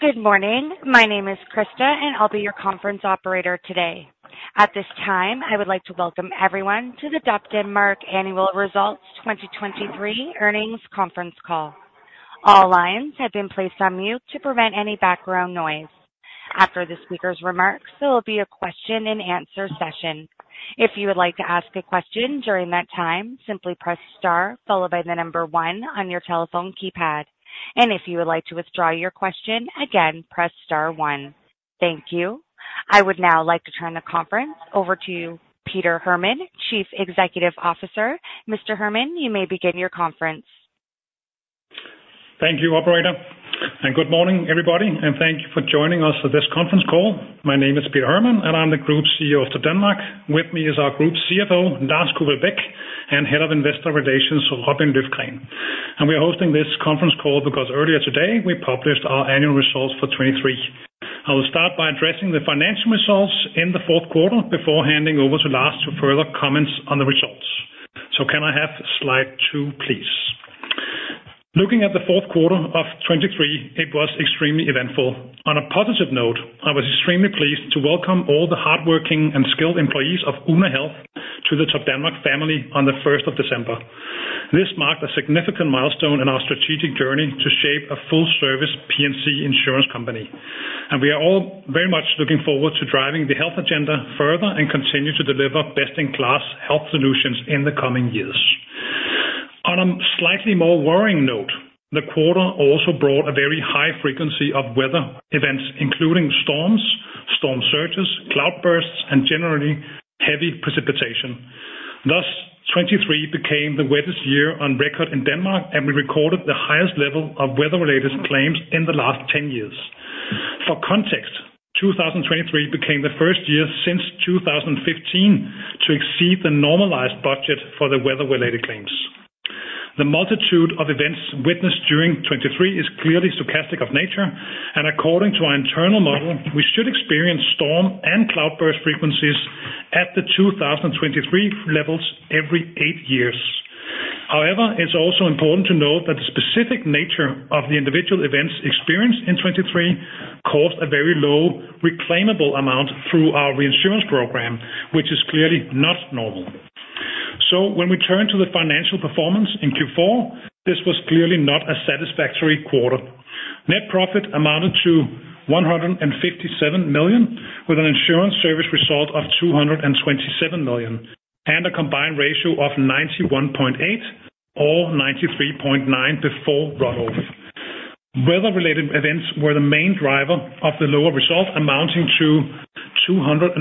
Good morning. My name is Krista, and I'll be your conference operator today. At this time, I would like to welcome everyone to the Topdanmark Annual Results 2023 Earnings Conference Call. All lines have been placed on mute to prevent any background noise. After the speaker's remarks, there will be a question and answer session. If you would like to ask a question during that time, simply press star followed by the number one on your telephone keypad. And if you would like to withdraw your question, again, press star one. Thank you. I would now like to turn the conference over to you, Peter Hermann, Chief Executive Officer. Mr. Hermann, you may begin your conference. Thank you, operator, and good morning, everybody, and thank you for joining us for this conference call. My name is Peter Hermann, and I'm the Group CEO of Topdanmark. With me is our group CFO, Lars Kufall Beck, and Head of Investor Relations, Robin Løfgren. We are hosting this conference call because earlier today, we published our annual results for 2023. I will start by addressing the financial results in the fourth quarter before handing over to Lars to further comments on the results. Can I have slide two, please? Looking at the fourth quarter of 2023, it was extremely eventful. On a positive note, I was extremely pleased to welcome all the hardworking and skilled employees of Oona Health to the Topdanmark family on the 1st of December. This marked a significant milestone in our strategic journey to shape a full service P&C insurance company. We are all very much looking forward to driving the health agenda further and continue to deliver best-in-class health solutions in the coming years. On a slightly more worrying note, the quarter also brought a very high frequency of weather events, including storms, storm surges, cloudbursts, and generally heavy precipitation. Thus, 2023 became the wettest year on record in Denmark, and we recorded the highest level of weather-related claims in the last 10 years. For context, 2023 became the first year since 2015 to exceed the normalized budget for the weather-related claims. The multitude of events witnessed during 2023 is clearly stochastic of nature, and according to our internal model, we should experience storm and cloudburst frequencies at the 2023 levels every eight years. However, it's also important to note that the specific nature of the individual events experienced in 2023 caused a very low reclaimable amount through our reinsurance program, which is clearly not normal. So when we turn to the financial performance in Q4, this was clearly not a satisfactory quarter. Net profit amounted to 157 million, with an insurance service result of 227 million, and a combined ratio of 91.8 or 93.9 before run-off. Weather-related events were the main driver of the lower results, amounting to 249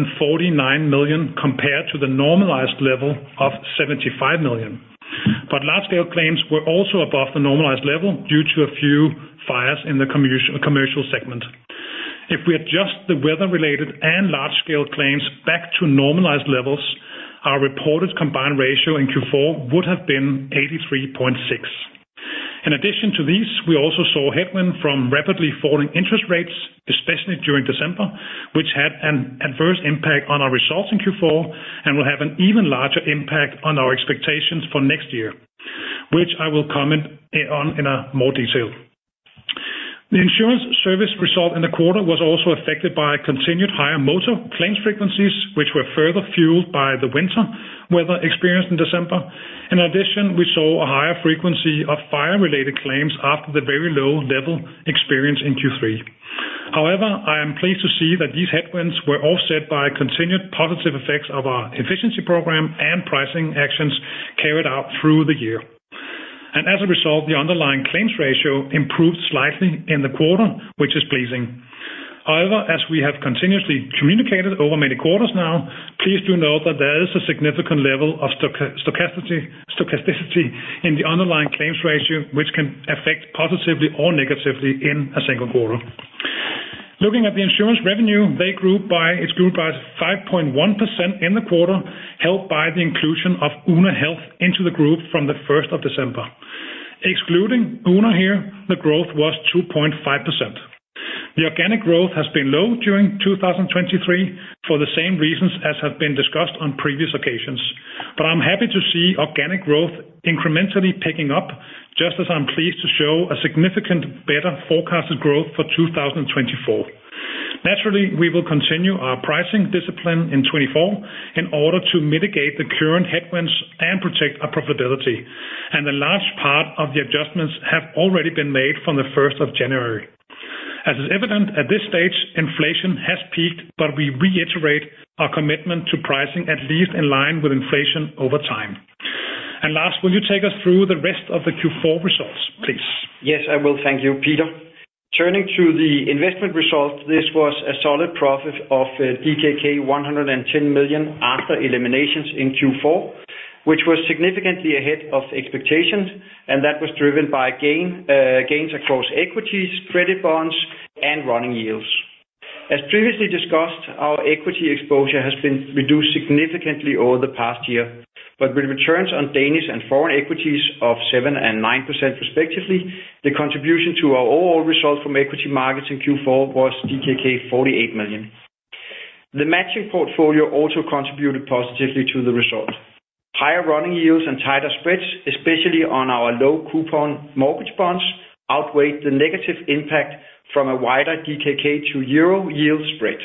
million compared to the normalized level of 75 million. But large-scale claims were also above the normalized level due to a few fires in the commercial segment. If we adjust the weather-related and large-scale claims back to normalized levels, our reported combined ratio in Q4 would have been 83.6. In addition to these, we also saw headwind from rapidly falling interest rates, especially during December, which had an adverse impact on our results in Q4, and will have an even larger impact on our expectations for next year, which I will comment on in more detail. The insurance service result in the quarter was also affected by continued higher Motor claims frequencies, which were further fueled by the winter weather experienced in December. In addition, we saw a higher frequency of fire-related claims after the very low level experienced in Q3. However, I am pleased to see that these headwinds were offset by continued positive effects of our efficiency program and pricing actions carried out through the year. And as a result, the underlying claims ratio improved slightly in the quarter, which is pleasing. However, as we have continuously communicated over many quarters now, please do note that there is a significant level of stochasticity in the underlying claims ratio, which can affect positively or negatively in a single quarter. Looking at the insurance revenue, they grew by, it grew by 5.1% in the quarter, helped by the inclusion of Oona Health into the group from the 1st of December. Excluding Oona here, the growth was 2.5%. The organic growth has been low during 2023 for the same reasons as have been discussed on previous occasions. But I'm happy to see organic growth incrementally picking up, just as I'm pleased to show a significant better forecasted growth for 2024. Naturally, we will continue our pricing discipline in 2024 in order to mitigate the current headwinds and protect our profitability, and a large part of the adjustments have already been made from the 1st of January. As is evident at this stage, inflation has peaked, but we reiterate our commitment to pricing at least in line with inflation over time. Lars, will you take us through the rest of the Q4 results, please? Yes, I will. Thank you, Peter. Turning to the investment results, this was a solid profit of DKK 110 million after eliminations in Q4, which was significantly ahead of expectations, and that was driven by gains across equities, credit bonds, and running yields. As previously discussed, our equity exposure has been reduced significantly over the past year, but with returns on Danish and foreign equities of 7% and 9%, respectively, the contribution to our overall result from equity markets in Q4 was DKK 48 million. The matching portfolio also contributed positively to the result. Higher running yields and tighter spreads, especially on our low coupon mortgage bonds, outweighed the negative impact from a wider DKK to EUR yield spread.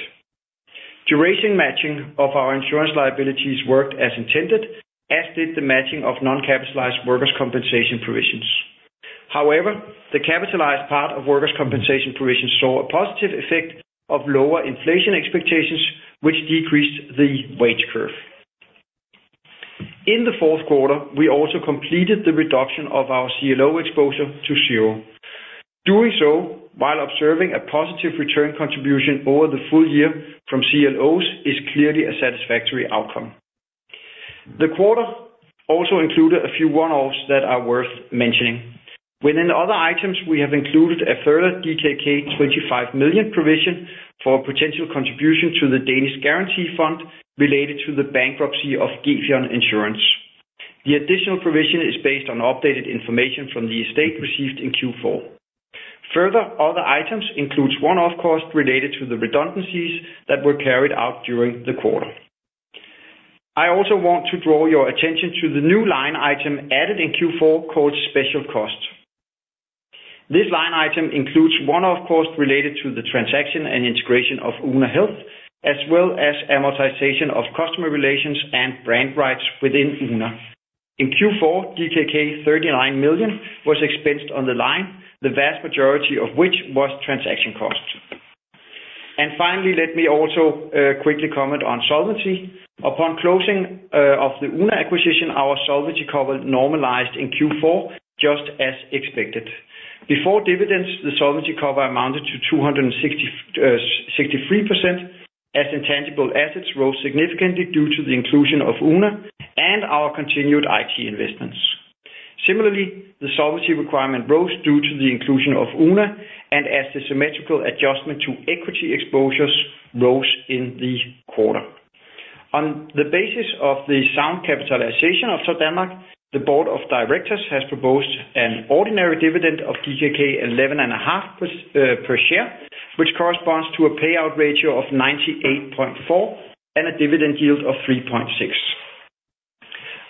Duration matching of our insurance liabilities worked as intended, as did the matching of non-capitalized workers' compensation provisions. However, the capitalized part of workers' compensation provisions saw a positive effect of lower inflation expectations, which decreased the wage curve. In the fourth quarter, we also completed the reduction of our CLO exposure to zero. Doing so, while observing a positive return contribution over the full year from CLOs, is clearly a satisfactory outcome. The quarter also included a few one-offs that are worth mentioning. Within other items, we have included a further DKK 25 million provision for potential contribution to the Danish Guarantee Fund related to the bankruptcy of Gefion Insurance. The additional provision is based on updated information from the estate received in Q4. Further, other items includes one-off cost related to the redundancies that were carried out during the quarter. I also want to draw your attention to the new line item added in Q4, called Special Costs. This line item includes one-off costs related to the transaction and integration of Oona Health, as well as amortization of customer relations and brand rights within Oona. In Q4, DKK 39 million was expensed on the line, the vast majority of which was transaction costs. And finally, let me also quickly comment on solvency. Upon closing of the Oona acquisition, our solvency cover normalized in Q4, just as expected. Before dividends, the solvency cover amounted to 263%, as intangible assets rose significantly due to the inclusion of Oona and our continued IT investments. Similarly, the solvency requirement rose due to the inclusion of Oona, and as the symmetrical adjustment to equity exposures rose in the quarter. On the basis of the sound capitalization of Topdanmark, the board of directors has proposed an ordinary dividend of DKK 11.5 per share, which corresponds to a payout ratio of 98.4%, and a dividend yield of 3.6%.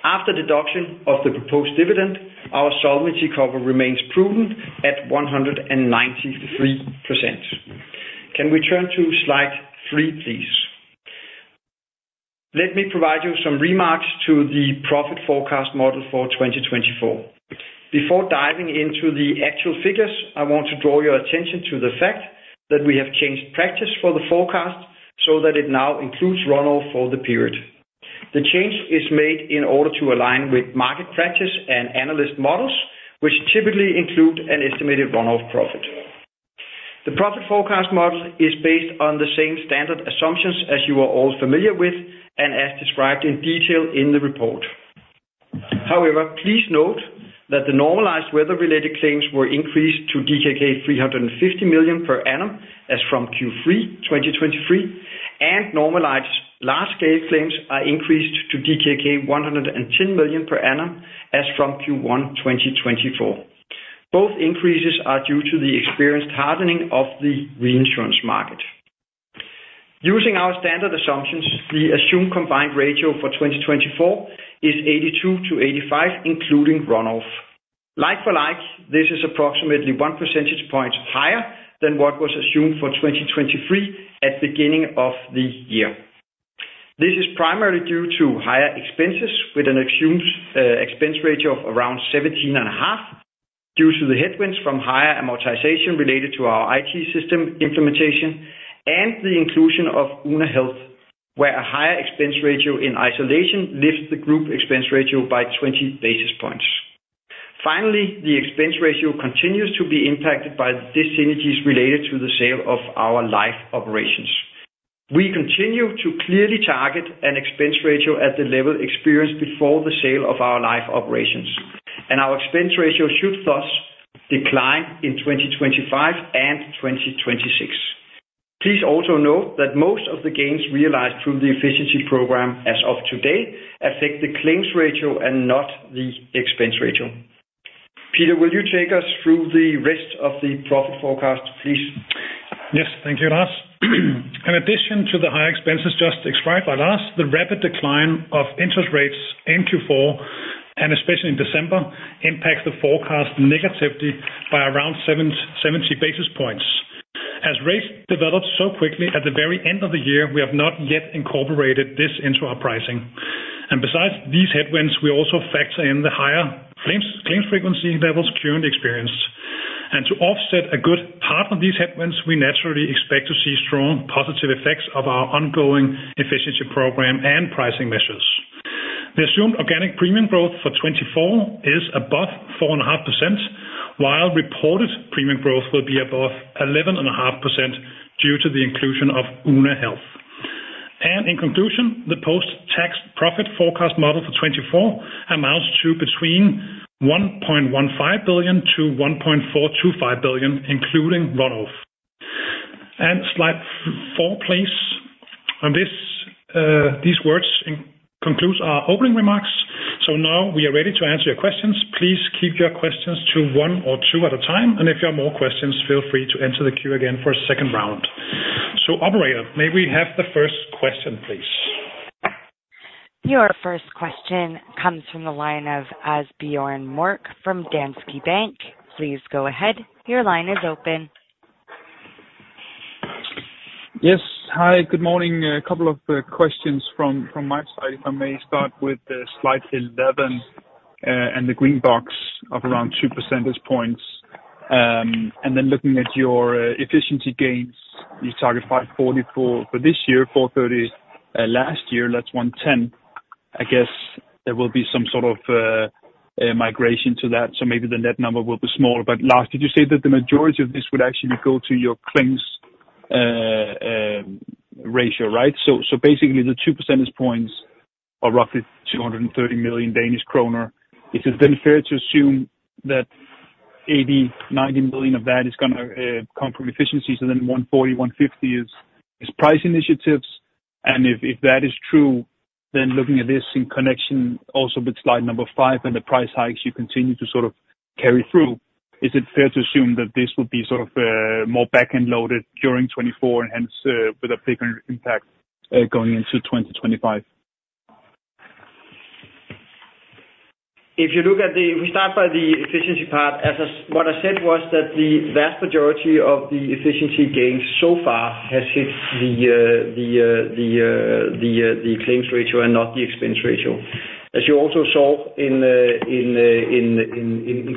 After deduction of the proposed dividend, our solvency cover remains prudent at 193%. Can we turn to slide three, please? Let me provide you some remarks to the profit forecast model for 2024. Before diving into the actual figures, I want to draw your attention to the fact that we have changed practice for the forecast, so that it now includes run-off for the period. The change is made in order to align with market practice and analyst models, which typically include an estimated run-off profit. The profit forecast model is based on the same standard assumptions as you are all familiar with and as described in detail in the report. However, please note that the normalized weather-related claims were increased to DKK 350 million per annum, as from Q3 2023, and normalized large-scale claims are increased to DKK 110 million per annum, as from Q1 2024. Both increases are due to the experienced hardening of the reinsurance market. Using our standard assumptions, the assumed combined ratio for 2024 is 82-85, including run-off. Like-for-like, this is approximately one percentage point higher than what was assumed for 2023 at beginning of the year. This is primarily due to higher expenses, with an assumed expense ratio of around 17.5, due to the headwinds from higher amortization related to our IT system implementation and the inclusion of Oona Health, where a higher expense ratio in isolation lifts the group expense ratio by 20 basis points. Finally, the expense ratio continues to be impacted by the dissynergies related to the sale of our life operations. We continue to clearly target an expense ratio at the level experienced before the sale of our life operations, and our expense ratio should thus decline in 2025 and 2026. Please also note that most of the gains realized through the efficiency program as of today, affect the claims ratio and not the expense ratio. Peter, will you take us through the rest of the profit forecast, please? Yes, thank you, Lars. In addition to the high expenses just described by Lars, the rapid decline of interest rates in Q4, and especially in December, impacts the forecast negatively by around 70 basis points. As rates developed so quickly at the very end of the year, we have not yet incorporated this into our pricing. Besides these headwinds, we also factor in the higher claims, claims frequency levels currently experienced. To offset a good part of these headwinds, we naturally expect to see strong positive effects of our ongoing efficiency program and pricing measures. The assumed organic premium growth for 2024 is above 4.5%, while reported premium growth will be above 11.5% due to the inclusion of Oona Health. In conclusion, the post-tax profit forecast for 2024 amounts to between 1.15 billion-1.425 billion, including run-off. Slide four, please. On this note, this concludes our opening remarks. Now we are ready to answer your questions. Please keep your questions to one or two at a time, and if you have more questions, feel free to enter the queue again for a second round. Operator, may we have the first question, please? Your first question comes from the line of Asbjørn Mørk from Danske Bank. Please go ahead. Your line is open. Yes. Hi, good morning. A couple of questions from my side. If I may start with the slide 11 and the green box of around 2 percentage points. And then looking at your efficiency gains, you target 544 million for this year, 430 million last year, that's 110 million. I guess there will be some sort of migration to that, so maybe the net number will be smaller. But last, did you say that the majority of this would actually go to your claims ratio, right? So basically, the 2 percentage points are roughly 230 million Danish kroner. Is it then fair to assume that 80 million, 90 million of that is gonna come from efficiency, so then 140 million, 150 million is price initiatives? If that is true, then looking at this in connection also with slide number five and the price hikes you continue to sort of carry through, is it fair to assume that this will be sort of more back-end loaded during 2024, and hence with a bigger impact going into 2025? We start by the efficiency part. As what I said was that the vast majority of the efficiency gains so far has hit the claims ratio and not the expense ratio. As you also saw in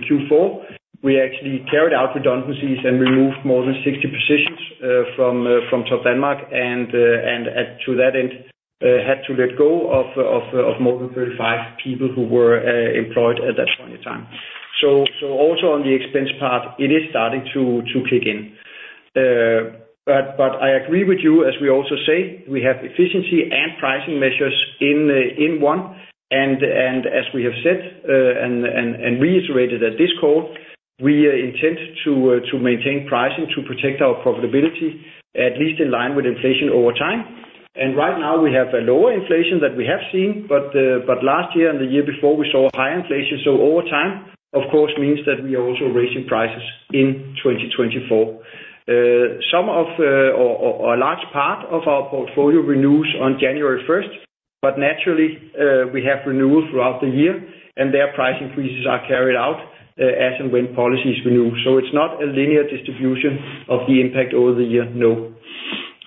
Q4, we actually carried out redundancies and removed more than 60 positions from Topdanmark, and to that end had to let go of more than 35 people who were employed at that point in time. So also on the expense part, it is starting to kick in. But I agree with you, as we also say, we have efficiency and pricing measures in one, and reiterated at this call, we intend to maintain pricing, to protect our profitability, at least in line with inflation over time. And right now, we have a lower inflation than we have seen, but last year and the year before, we saw a high inflation. So over time, of course, means that we are also raising prices in 2024. Some of, or a large part of our portfolio renews on January 1st, but naturally, we have renewals throughout the year, and their price increases are carried out, as and when policies renew. So it's not a linear distribution of the impact over the year, no.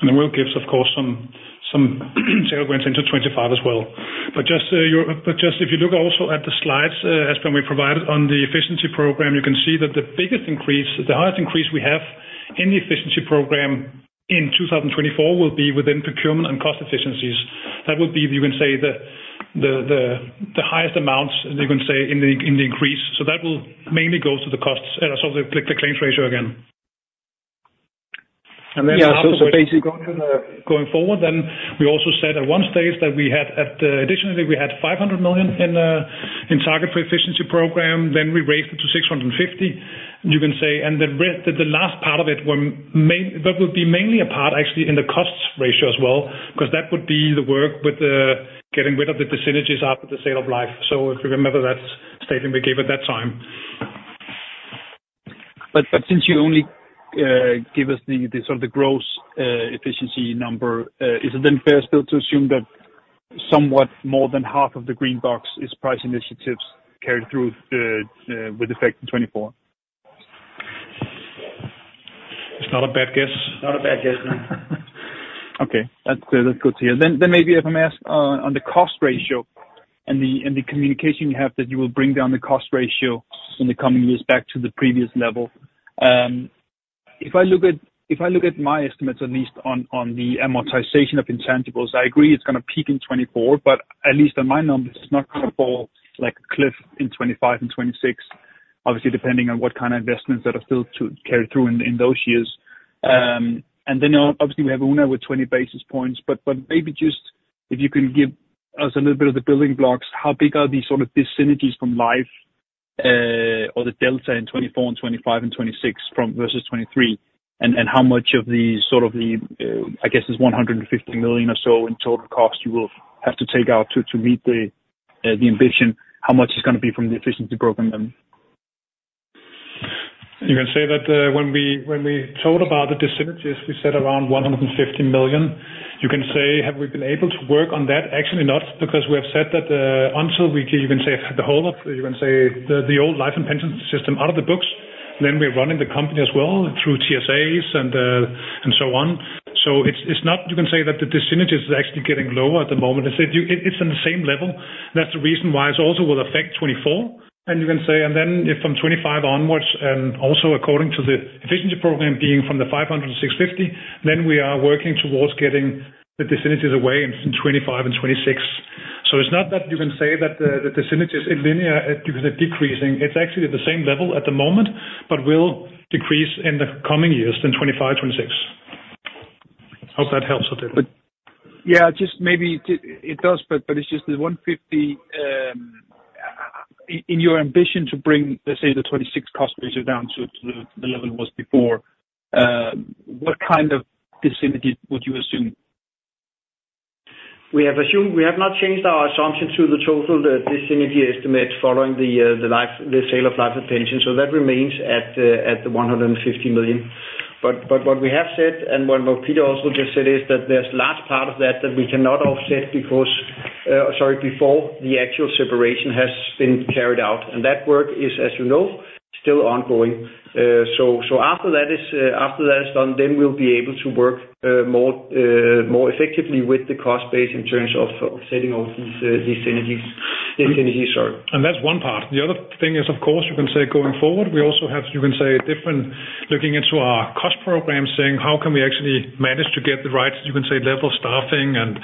And the world gives, of course, some tailwinds into 2025 as well. But just if you look also at the slides, as when we provided on the efficiency program, you can see that the biggest increase, the highest increase we have in the efficiency program in 2024 will be within procurement and cost efficiencies. That would be, you can say, the highest amounts, you can say, in the increase. So that will mainly go to the costs and so the claims ratio again. Going forward, then we also said at one stage that we had at, additionally, we had 500 million in target for efficiency program, then we raised it to 650 million. You can say, and the re- the last part of it were main-- that would be mainly a part, actually, in the costs ratio as well, because that would be the work with the getting rid of the dissynergies after the sale of Life. So if you remember that statement we gave at that time. But since you only give us the sort of gross efficiency number, is it then fair still to assume that somewhat more than half of the green box is price initiatives carried through with effect in 2024? It's not a bad guess. Not a bad guess, no. Okay, that's good to hear. Then, then maybe if I may ask, on the cost ratio and the, and the communication you have, that you will bring down the cost ratio in the coming years back to the previous level. If I look at, if I look at my estimates, at least on, on the amortization of intangibles, I agree it's going to peak in 2024, but at least on my numbers, it's not going to fall like a cliff in 2025 and 2026. Obviously, depending on what kind of investments that are still to carry through in, in those years. And then obviously, we have Oona with 20 basis points, but, but maybe just if you can give us a little bit of the building blocks, how big are these sort of dis-synergies from Life, or the delta in 2024 and 2025 and 2026 from versus 2023? And, and how much of the sort of the, I guess it's 150 million or so in total cost you will have to take out to, to meet the, the ambition, how much is going to be from the efficiency program then? You can say that, when we, when we talked about the dissynergies, we said around 150 million. You can say, have we been able to work on that? Actually not, because we have said that, until we can even say the whole of, you can say, the, the old life and pension system out of the books, then we're running the company as well through TSAs and, and so on. So it's, it's not you can say that the dissynergies is actually getting lower at the moment. It's on the same level. That's the reason why it also will affect 2024. And you can say, and then if from 2025 onwards, also according to the efficiency program being from 500 million to 650 million, then we are working towards getting the dissynergies away in 2025 and 2026. So it's not that you can say that the dissynergies are linear, because they're decreasing. It's actually the same level at the moment, but will decrease in the coming years, in 2025, 2026. Hope that helps a little. Yeah, just maybe it does, but it's just the 150 million. In your ambition to bring, let's say, the 26 cost ratio down to the level it was before, what kind of vicinity would you assume? We have assumed we have not changed our assumption to the total, the synergy estimate following the year, the life, the sale of life and pension. So that remains at 150 million. But what we have said, and what Peter also just said, is that there's last part of that, that we cannot offset because, sorry, before the actual separation has been carried out, and that work is, as you know, still ongoing. So after that is done, then we'll be able to work more effectively with the cost base in terms of setting off these synergies. The synergies are- And that's one part. The other thing is, of course, you can say going forward, we also have, you can say, different looking into our cost program, saying: How can we actually manage to get the right, you can say, level staffing, and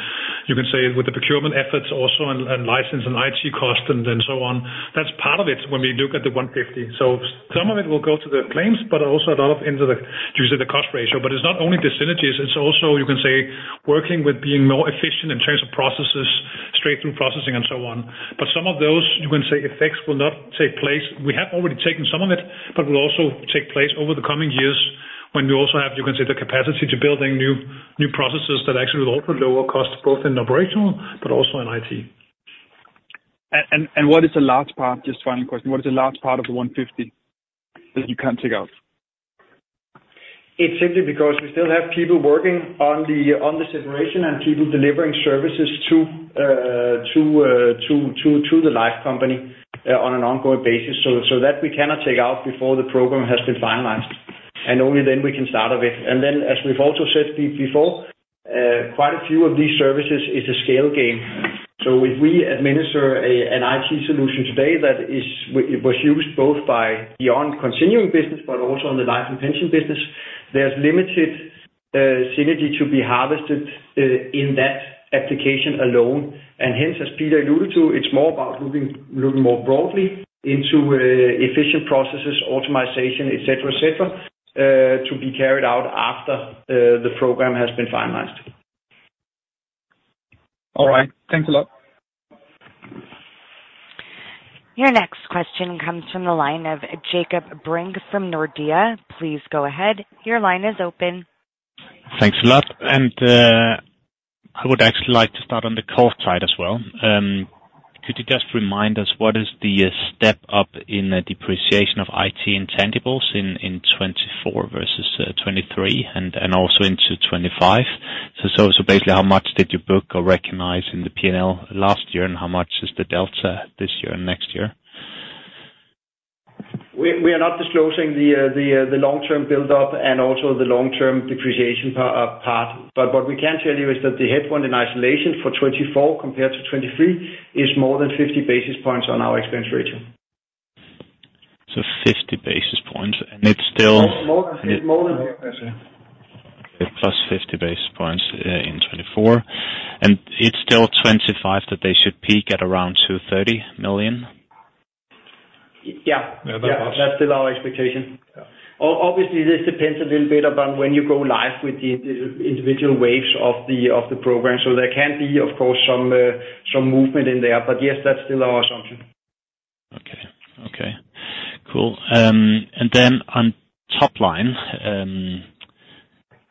you can say, with the procurement efforts also, and license and IT cost and so on. That's part of it when we look at the 150 million. So some of it will go to the claims, but also a lot of into the, usually the cost ratio. But it's not only the synergies, it's also, you can say, working with being more efficient in terms of processes, straight through processing, and so on. But some of those, you can say, effects will not take place. We have already taken some of it, but will also take place over the coming years, when we also have, you can say, the capacity to building new processes that actually will also lower cost, both in operational but also in IT. What is the last part? Just final question, what is the last part of the 150 million that you can't take out? It's simply because we still have people working on the separation and people delivering services to the life company on an ongoing basis. So that we cannot take out before the program has been finalized, and only then we can start of it. And then, as we've also said before, quite a few of these services is a scale game. So if we administer an IT solution today that was used both by the non-continuing business but also on the life and pension business, there's limited synergy to be harvested in that application alone. And hence, as Peter alluded to, it's more about looking more broadly into efficient processes, automation, et cetera, et cetera, to be carried out after the program has been finalized. All right. Thanks a lot. Your next question comes from the line of Jakob Brink from Nordea. Please go ahead. Your line is open. Thanks a lot. And I would actually like to start on the cost side as well. Could you just remind us, what is the step up in the depreciation of IT intangibles in 2024 versus 2023 and also into 2025? So basically, how much did you book or recognize in the P&L last year, and how much is the delta this year and next year? We are not disclosing the long-term build-up and also the long-term depreciation part. But what we can tell you is that the head point in isolation for 2024 compared to 2023 is more than 50 basis points on our expense ratio. So 50 basis points, and it's still- More, more than 50. +50 basis points in 2024. And it's still 25, that they should peak at around 230 million? Yeah. That's still our expectation. Obviously, this depends a little bit upon when you go live with the individual waves of the, of the program. So there can be, of course, some, some movement in there, but yes, that's still our assumption. Okay. Okay, cool. And then on top line,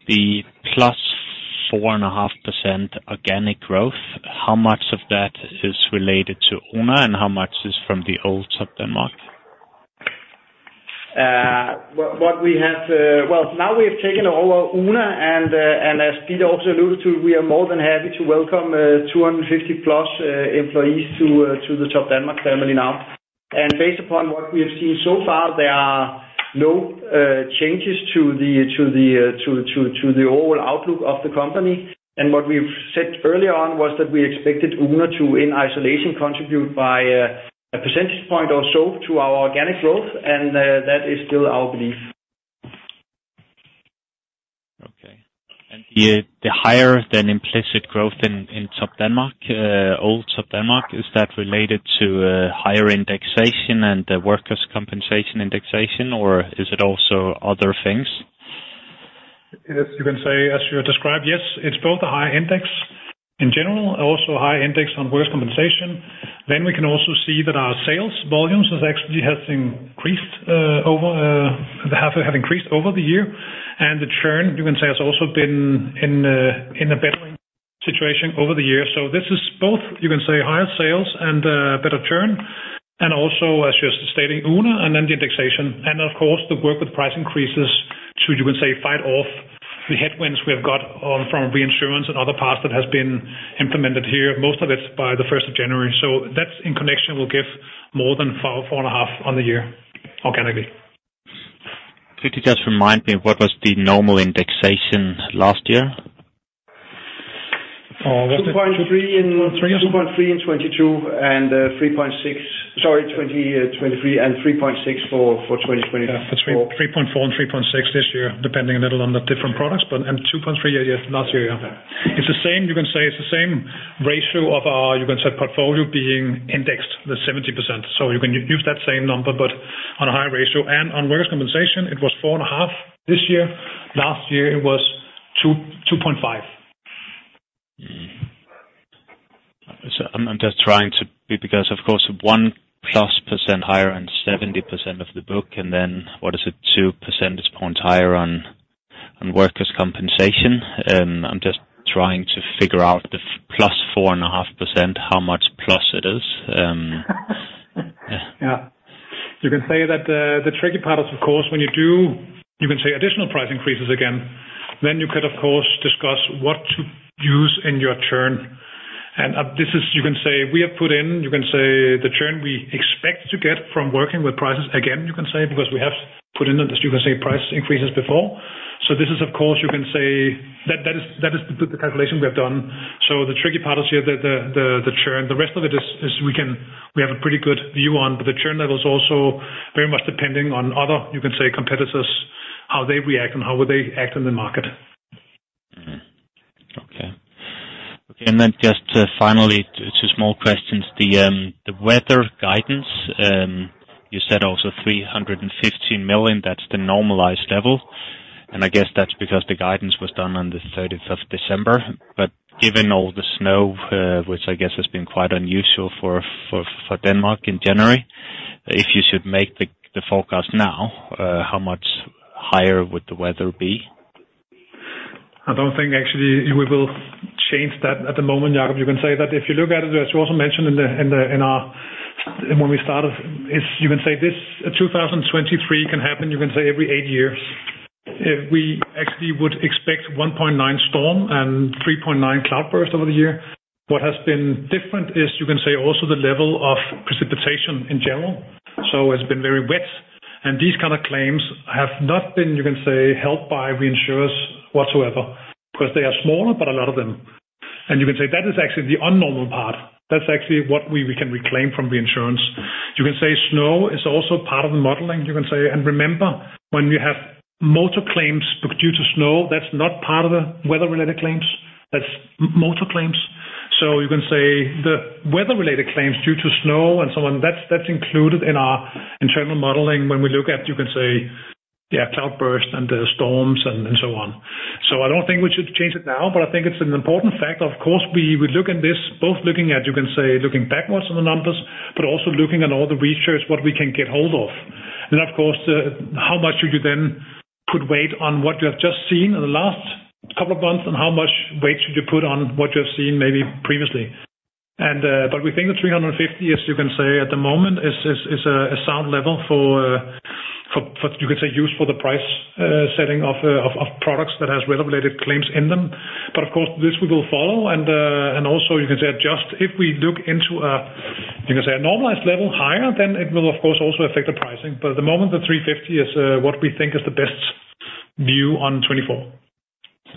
the +4.5% organic growth, how much of that is related to Oona, and how much is from the old Topdanmark? What we have—Well, now we have taken over Oona and as Peter also alluded to, we are more than happy to welcome 250+ employees to the Topdanmark family now. And based upon what we have seen so far, there are no changes to the overall outlook of the company. And what we've said earlier on was that we expected Oona to, in isolation, contribute by a percentage point or so to our organic growth, and that is still our belief. Okay. And the higher than implicit growth in Topdanmark, old Topdanmark, is that related to higher indexation and the workers' compensation indexation, or is it also other things? As you can see, as you described, yes, it's both a high index in general, also a high index on workers' compensation. Then we can also see that our sales volumes has actually increased over the year, and the churn, you can say, has also been in a better situation over the years. So this is both, you can say, higher sales and better churn, and also, as you're stating, Oona, and then the indexation. And of course, the work with price increases to, you can say, fight off the headwinds we have got on from reinsurance and other parts that has been implemented here, most of it's by the 1st of January. So that in connection will give more than 4, 4.5 on the year, organically. Could you just remind me, what was the normal indexation last year? 2.3 in 2022 and 3.6. Sorry, 2023, and 3.6 for 2020. Yeah, 3.4 and3.6 this year, depending a little on the different products, but 2.3 last year, yeah. It's the same, you can say, it's the same ratio of our, you can say, portfolio being indexed, the 70%. So you can use that same number, but on a higher ratio. And on workers' compensation, it was 4.5 this year. Last year, it was 2, 2.5. So I'm just trying to be, because, of course, 1+% higher and 70% of the book, and then what is it, 2 percentage points higher on workers' compensation. I'm just trying to figure out the +4.5%, how much plus it is? Yeah. You can say that the tricky part is, of course, when you do, you can say additional price increases again, then you could, of course, discuss what to use in your churn. And this is, you can say, we have put in, you can say the churn we expect to get from working with prices again, you can say, because we have put in, you can say, price increases before. So this is, of course, you can say that, that is, that is the calculation we have done. So the tricky part is here, the churn. The rest of it is we can - we have a pretty good view on, but the churn level is also very much depending on other, you can say, competitors, how they react and how would they act in the market. Mm-hmm. Okay. And then just finally, two small questions. The weather guidance, you said also 315 million, that's the normalized level. And I guess that's because the guidance was done on the thirteenth of December. But given all the snow, which I guess has been quite unusual for Denmark in January, if you should make the forecast now, how much higher would the weather be? I don't think actually we will change that at the moment, Jakob. You can say that if you look at it, as you also mentioned in the—in the—in our—when we started, is you can say this 2023 can happen, you can say every eight years. We actually would expect 1.9 storm and 3.9 cloudburst over the year. What has been different is, you can say also the level of precipitation in general. So it's been very wet, and these kind of claims have not been, you can say, helped by reinsurers whatsoever, because they are smaller, but a lot of them. And you can say that is actually the unnormal part. That's actually what we, we can reclaim from reinsurance. You can say snow is also part of the modeling, you can say, and remember, when you have Motor claims due to snow, that's not part of the weather-related claims, that's Motor claims. So you can say the weather-related claims due to snow and so on, that's, that's included in our internal modeling when we look at, you can say, yeah, cloudburst and the storms and, and so on. So I don't think we should change it now, but I think it's an important fact. Of course, we would look at this, both looking at, you can say, looking backwards on the numbers, but also looking at all the reinsurers, what we can get hold of. And of course, how much should you then put weight on what you have just seen in the last couple of months, and how much weight should you put on what you have seen maybe previously? And, but we think the 350, as you can say at the moment, is a sound level for use for the price setting of products that has weather-related claims in them. But of course, this we will follow and also adjust if we look into a normalized level higher, then it will of course also affect the pricing. But at the moment, the 350 is what we think is the best view on 2024.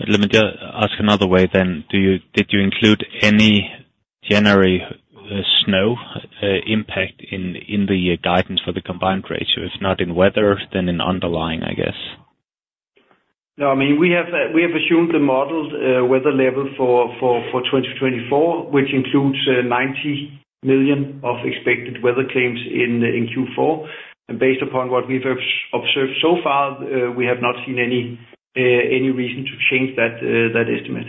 Let me just ask another way then. Did you include any January snow impact in the guidance for the combined ratio? If not in weather, then in underlying, I guess. No, I mean, we have assumed the modeled weather level for 2024, which includes 90 million of expected weather claims in Q4. And based upon what we've observed so far, we have not seen any reason to change that estimate.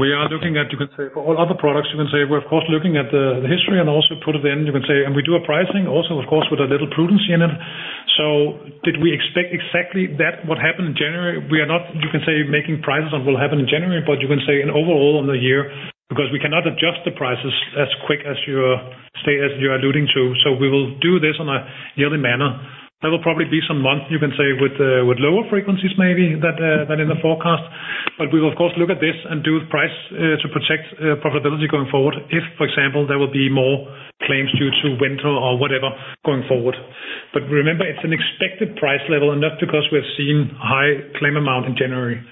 We are looking at, you can say, for all other products, you can say, we're of course looking at the history and also put it in, you can say, and we do a pricing also, of course, with a little prudence in it. So did we expect exactly that would happen in January? We are not, you can say, making prices on what happened in January, but you can say in overall on the year, because we cannot adjust the prices as quick as you are saying, as you are alluding to. So we will do this on a yearly manner. There will probably be some months, you can say, with lower frequencies, maybe, than in the forecast, but we will of course look at this and do price to protect profitability going forward. If, for example, there will be more claims due to winter or whatever going forward. But remember, it's an expected price level, and not because we have seen high claim amount in January.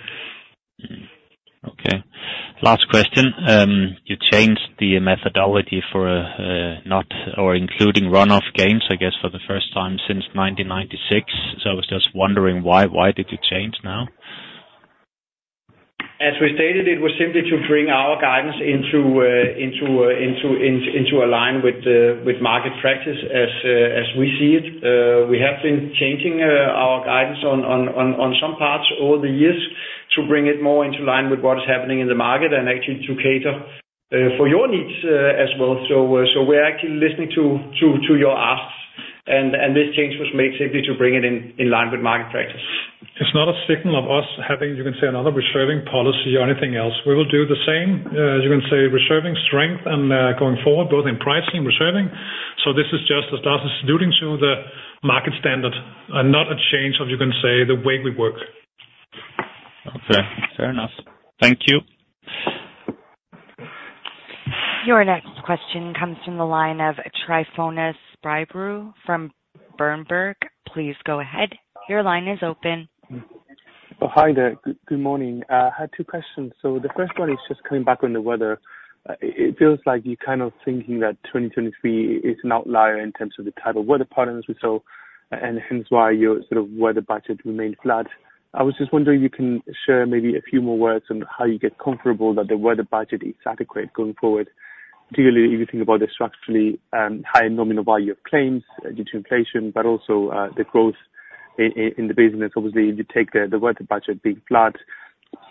Okay. Last question. You changed the methodology for not or including run-off gains, I guess, for the first time since 1996. So I was just wondering why. Why did you change now? As we stated, it was simply to bring our guidance into align with market practice as we see it. We have been changing our guidance on some parts over the years to bring it more into line with what is happening in the market and actually to cater for your needs as well. So we're actually listening to your asks, and this change was made simply to bring it in line with market practice. It's not a signal of us having, you can say, another reserving policy or anything else. We will do the same, you can say, reserving strength and going forward, both in pricing and reserving. So this is just as Lars is alluding to, the market standard and not a change of, you can say, the way we work. Okay, fair enough. Thank you. Your next question comes from the line of Tryfonas Spyrou from Berenberg. Please go ahead. Your line is open. Hi there. Good morning. I had two questions. So the first one is just coming back on the weather. It feels like you're kind of thinking that 2023 is an outlier in terms of the type of weather patterns we saw, and hence why your sort of weather budget remained flat. I was just wondering if you can share maybe a few more words on how you get comfortable that the weather budget is adequate going forward, particularly if you think about the structurally high nominal value of claims due to inflation, but also the growth in the business, obviously, if you take the weather budget being flat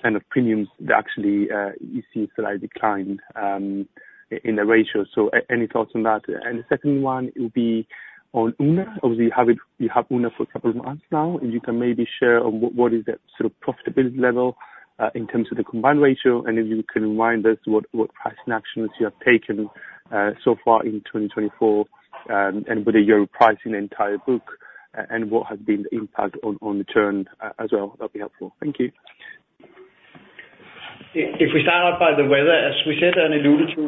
and the premiums, they actually you see a slight decline in the ratio. So any thoughts on that? And the second one will be on Oona. Obviously, you have it, you have Oona for a couple of months now, and you can maybe share on what, what is that sort of profitability level, in terms of the combined ratio, and if you can remind us what, what pricing actions you have taken, so far in 2024, and with the year pricing the entire book, and what has been the impact on, on return as well, that'd be helpful. Thank you. If we start out by the weather, as we said and alluded to,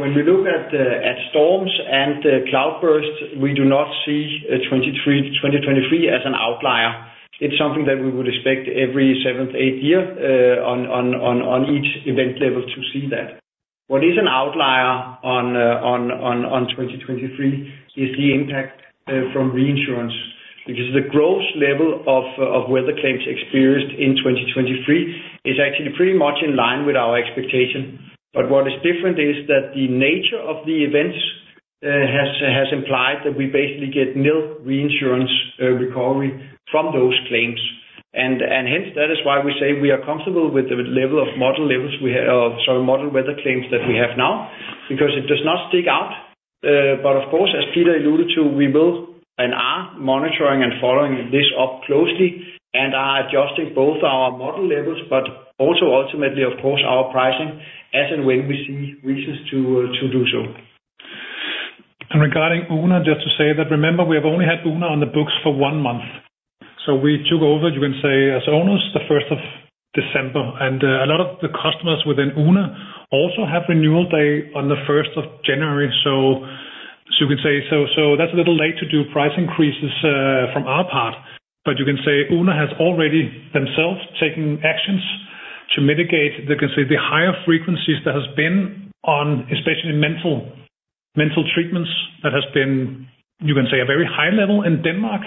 when we look at the storms and the cloudburst, we do not see 2023 as an outlier. It's something that we would expect every seventh, eighth year on each event level to see that. What is an outlier on 2023 is the impact from reinsurance. Because the gross level of weather claims experienced in 2023 is actually pretty much in line with our expectation. But what is different is that the nature of the events has implied that we basically get nil reinsurance recovery from those claims. And hence, that is why we say we are comfortable with the level of model weather claims that we have now, because it does not stick out. But of course, as Peter alluded to, we will and are monitoring and following this up closely, and are adjusting both our model levels, but also ultimately, of course, our pricing as and when we see reasons to do so. Regarding Oona, just to say that, remember, we have only had Oona on the books for one month. So we took over, you can say, as owners, the 1st of December, and a lot of the customers within Oona also have renewal day on the 1st of January. So you can say that's a little late to do price increases from our part. But you can say Oona has already themselves taken actions to mitigate, you can say, the higher frequencies that has been on, especially mental treatments, that has been, you can say, a very high level in Denmark.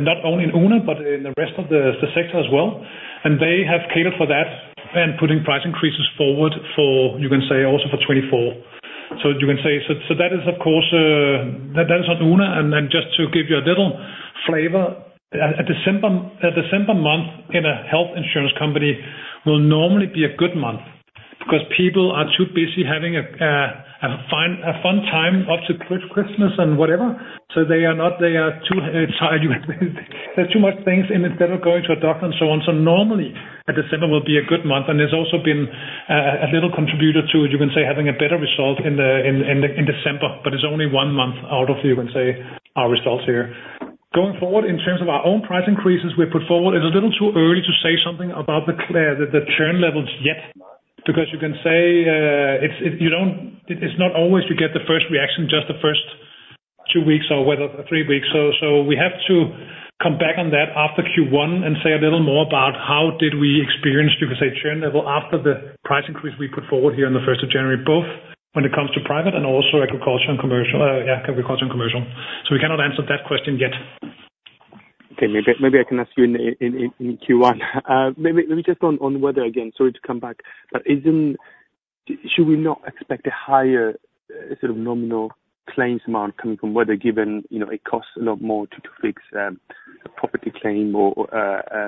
Not only in Oona, but in the rest of the sector as well, and they have catered for that, and putting price increases forward for, you can say, also for 2024. So you can say, so that is of course that is on Oona. And then just to give you a little flavor, a December month in a health insurance company will normally be a good month, because people are too busy having a fun time up to Christmas and whatever. So they are not, they are too inside, there's too much things, and instead of going to a doctor and so on. So normally, a December will be a good month, and there's also been a little contributor to, you can say, having a better result in the in December, but it's only one month out of, you can say, our results here. Going forward, in terms of our own price increases we put forward, it's a little too early to say something about the churn levels yet. Because you can say, it's, if you don't—it's not always you get the first reaction, just the first two weeks or whether three weeks. So, so we have to come back on that after Q1 and say a little more about how did we experience, you can say, churn level after the price increase we put forward here on the 1st of January, both when it comes to private and also agriculture and commercial, agriculture and commercial. So we cannot answer that question yet. Okay, maybe I can ask you in Q1. Maybe, let me just on weather again. Sorry to come back, but shouldn't we expect a higher sort of nominal claims amount coming from weather given, you know, it costs a lot more to fix a property claim or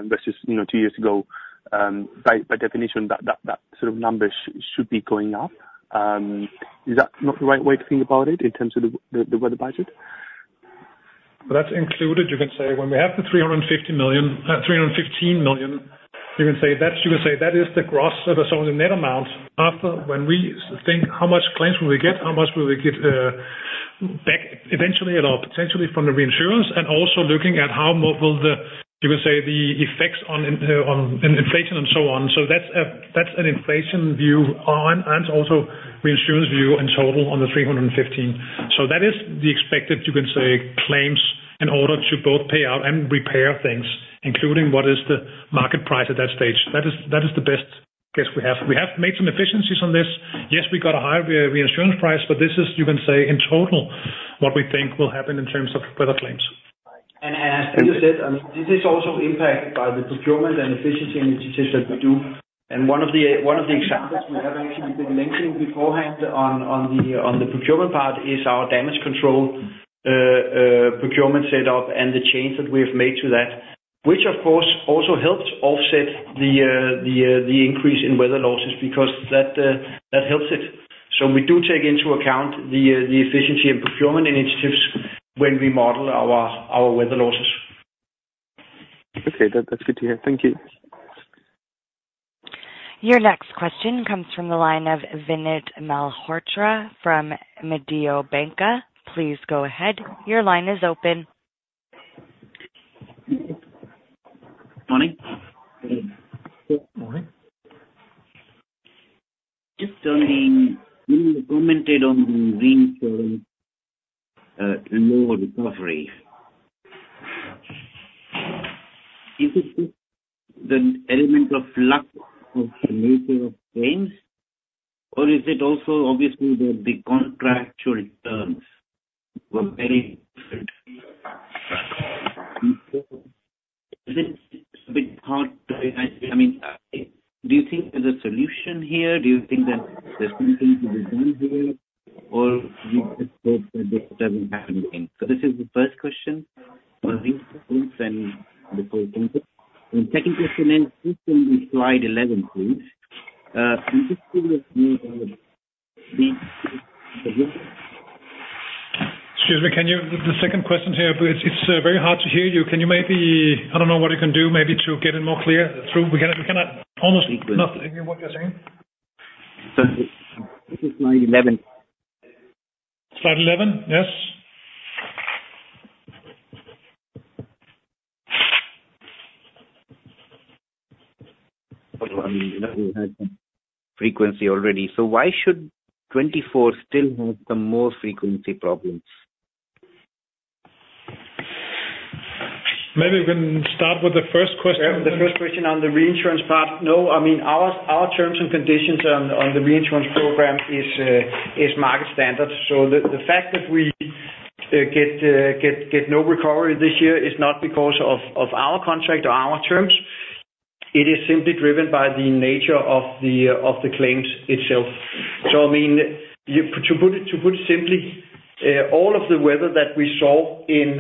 versus, you know, two years ago, by definition, that sort of number should be going up? Is that not the right way to think about it, in terms of the weather budget? That's included. You can say when we have the 350 million— 315 million, you can say, that's, you can say, that is the gross or the net amount after when we think how much claims will we get, how much will we get, back eventually at all, potentially from the reinsurance, and also looking at how much will the, you can say, the effects on, on inflation and so on. So that's an inflation view on, and also reinsurance view in total on the 315 million. So that is the expected, you can say, claims in order to both pay out and repair things, including what is the market price at that stage. That is, that is the best guess we have. We have made some efficiencies on this. Yes, we got a higher reinsurance price, but this is, you can say, in total, what we think will happen in terms of weather claims. As Peter said, this is also impacted by the procurement and efficiency initiatives that we do. One of the examples we have actually been mentioning beforehand on the procurement part is our damage control procurement setup, and the change that we have made to that, which of course also helps offset the increase in weather losses, because that helps it. We do take into account the efficiency and procurement initiatives when we model our weather losses. Okay, that, that's good to hear. Thank you. Your next question comes from the line of Vinit Malhotra from Mediobanca. Please go ahead, your line is open. Morning. Good morning. Just on the... You commented on the reinsurance, lower recovery. Is it the element of luck of the nature of claims, or is it also obviously the contractual terms were very different? Is it a bit hard to, I mean, do you think there's a solution here? Do you think that there's something to be done here, or you just hope that this doesn't happen again? So this is the first question on [reinsurance and the whole thing]. And second question then, this will be slide 11, please. Can you just give us more on the- Excuse me, can you—the second question here, it's very hard to hear you. Can you maybe, I don't know what you can do maybe to get it more clear through. We cannot almost not hear what you're saying. This is slide 11. Slide 11? Yes. frequency already. So why should 2024 still have the more frequency problems? Maybe we can start with the first question. The first question on the reinsurance part. No, I mean, our terms and conditions on the reinsurance program is market standard. So the fact that we get no recovery this year is not because of our contract or our terms. It is simply driven by the nature of the claims itself. So, I mean, to put it simply, all of the weather that we saw in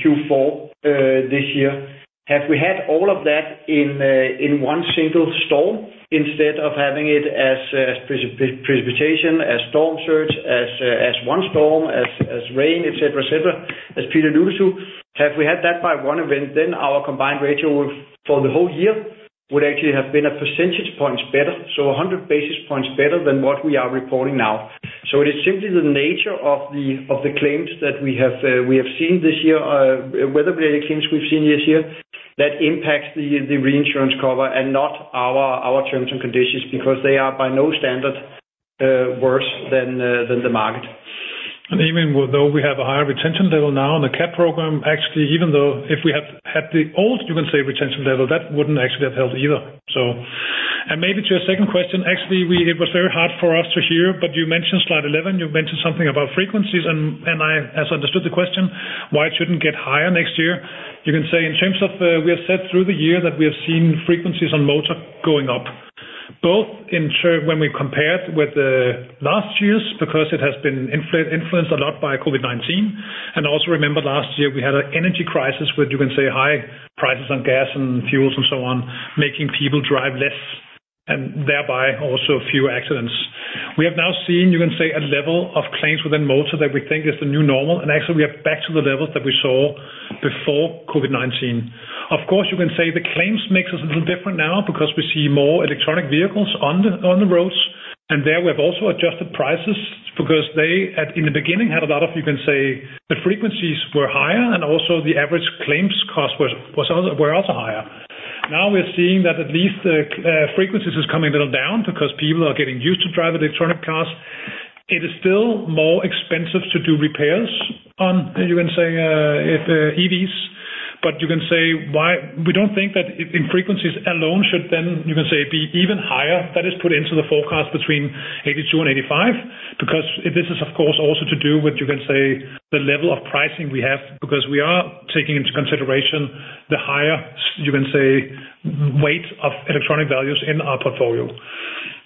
Q4 this year, had we had all of that in one single storm, instead of having it as precipitation, as storm surge, as one storm, as rain, et cetera, et cetera, as Peter alluded to. Had we had that by one event, then our combined ratio for the whole year would actually have been a percentage points better, so 100 basis points better than what we are reporting now. So it is simply the nature of the claims that we have seen this year, weather-related claims we've seen this year, that impacts the reinsurance cover and not our terms and conditions, because they are by no standard worse than the market. And even though we have a higher retention level now in the [CAP] program, actually, even though if we had had the old, you can say, retention level, that wouldn't actually have helped either, so. And maybe to your second question, actually, it was very hard for us to hear, but you mentioned slide 11. You mentioned something about frequencies, and I, as I understood the question, why it shouldn't get higher next year? You can say in terms of, we have said through the year that we have seen frequencies on Motor going up, both this year when we compared with last year, because it has been influenced a lot by COVID-19. And also remember last year, we had an energy crisis with, you can say, high prices on gas and fuels and so on, making people drive less and thereby also fewer accidents. We have now seen, you can say, a level of claims within Motor that we think is the new normal, and actually we are back to the levels that we saw before COVID-19. Of course, you can say the claims mix is a little different now because we see more electric vehicles on the roads, and there we have also adjusted prices because they, at the beginning, had a lot of, you can say, the frequencies were higher, and also the average claims cost was also higher. Now we're seeing that at least the frequencies is coming a little down because people are getting used to driving electric cars. It is still more expensive to do repairs on, you can say, EVs, but you can say why—we don't think that in frequencies alone should then, you can say, be even higher. That is put into the forecast between 82 and 85, because this is, of course, also to do with, you can say, the level of pricing we have, because we are taking into consideration the higher, you can say, weight of electronic values in our portfolio.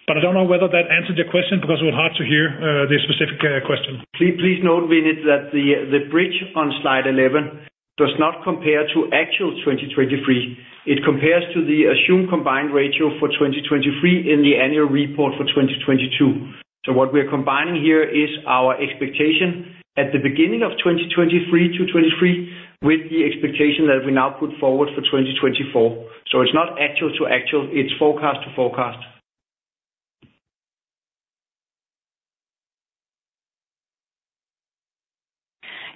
But I don't know whether that answered your question because it was hard to hear the specific question. Please, please note, Vinit, that the bridge on slide 11 does not compare to actual 2023. It compares to the assumed combined ratio for 2023 in the annual report for 2022. So what we are combining here is our expectation at the beginning of 2023 to 2023, with the expectation that we now put forward for 2024. So it's not actual-to-actual, it's forecast-to-forecast.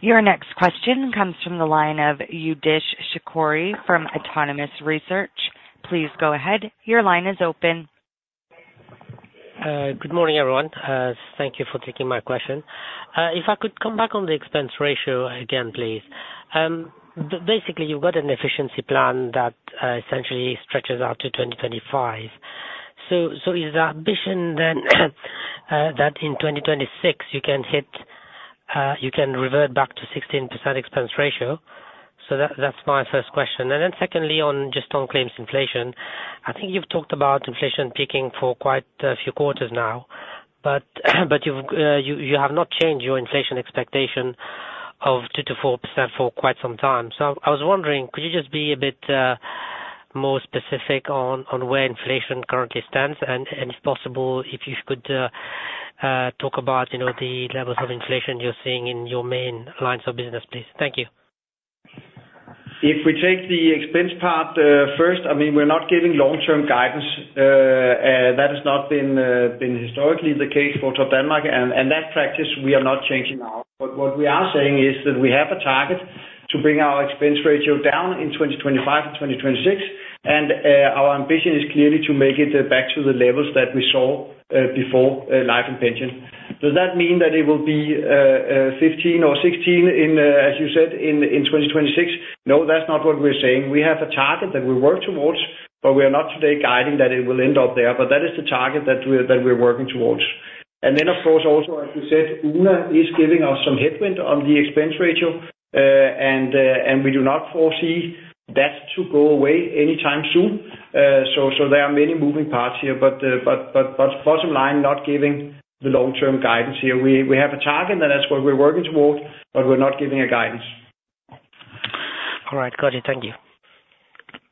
Your next question comes from the line of Youdish Chicooree from Autonomous Research. Please go ahead. Your line is open. Good morning, everyone. Thank you for taking my question. If I could come back on the expense ratio again, please. Basically, you've got an efficiency plan that essentially stretches out to 2025. So, is the ambition then that in 2026 you can hit, you can revert back to 16% expense ratio? So that's my first question. And then secondly, on just on claims inflation. I think you've talked about inflation peaking for quite a few quarters now, but you've you have not changed your inflation expectation of 2%-4% for quite some time. So I was wondering, could you just be a bit more specific on where inflation currently stands? If possible, if you could talk about, you know, the levels of inflation you're seeing in your main lines of business, please. Thank you. If we take the expense part, first, I mean, we're not giving long-term guidance. That has not been historically the case for Topdanmark, and that practice we are not changing now. But what we are saying is that we have a target to bring our expense ratio down in 2025 to 2026, and our ambition is clearly to make it back to the levels that we saw, before, life and pension. Does that mean that it will be 15 or 16 in, as you said, in 2026? No, that's not what we're saying. We have a target that we work towards, but we are not today guiding that it will end up there, but that is the target that we're working towards. And then, of course, also, as you said, Oona is giving us some headwind on the expense ratio, and we do not foresee that to go away anytime soon. So there are many moving parts here, but bottom line, not giving the long-term guidance here. We have a target, and that's where we're working towards, but we're not giving a guidance. All right, got it. Thank you.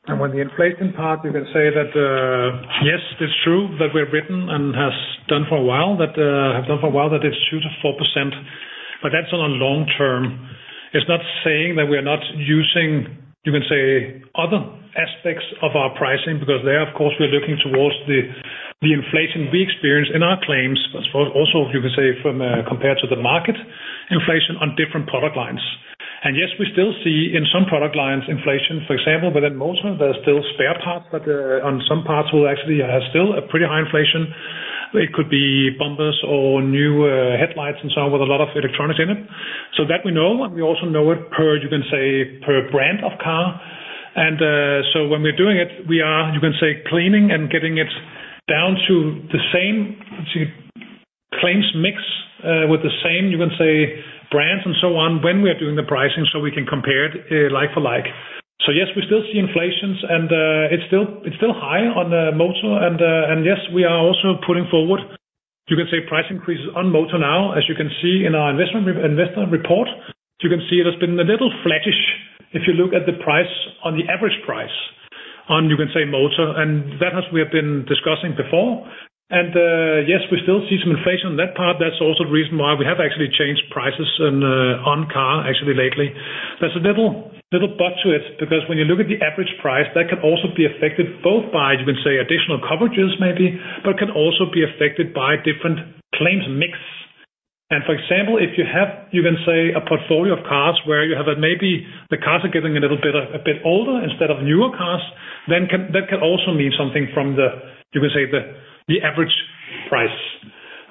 And on the inflation part, we can say that, yes, it's true that we're writing and have done for a while that it's 2%-4%, but that's on a long term. It's not saying that we're not using, you can say, other aspects of our pricing, because there, of course, we're looking towards the inflation we experience in our claims, as well, also, you can say from compared to the market inflation on different product lines. And yes, we still see in some product lines inflation, for example, but in most of them there are still spare parts, but on some parts we actually have still a pretty high inflation. It could be bumpers or new headlights and so on, with a lot of electronics in it. So that we know, and we also know it per, you can say, per brand of car. And, so when we're doing it, we are, you can say, cleaning and getting it down to the same claims mix, with the same, you can say, brands and so on, when we are doing the pricing, so we can compare it, like for like. So yes, we still see inflations and, it's still, it's still high on the Motor. And, and yes, we are also putting forward, you can say price increases on Motor now, as you can see in our investor report. You can see it has been a little flattish, if you look at the price, on the average price, on you can say Motor, and that is we have been discussing before. Yes, we still see some inflation on that part. That's also the reason why we have actually changed prices on car actually lately. There's a little bit to it, because when you look at the average price, that can also be affected both by, you can say, additional coverages maybe, but can also be affected by different claims mix. And for example, if you have, you can say, a portfolio of cars where you have maybe the cars are getting a little bit older instead of newer cars, then that can also mean something from the, you can say, the average price.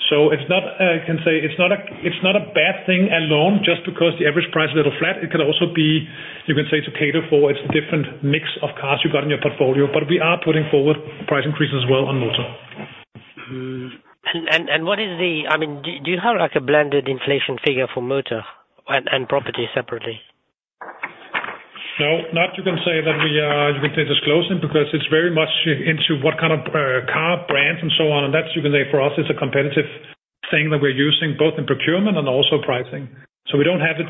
So it's not, I can say, it's not a bad thing alone just because the average price is a little flat. It can also be, you can say, to cater for its different mix of cars you got in your portfolio, but we are putting forward price increases as well on Motor. What is the... I mean, do you have, like, a blended inflation figure for Motor and property separately? No, not you can say that we are, you can say, disclosing, because it's very much into what kind of, car brands and so on. And that's, you can say, for us, it's a competitive thing that we're using both in procurement and also pricing. So we don't have it.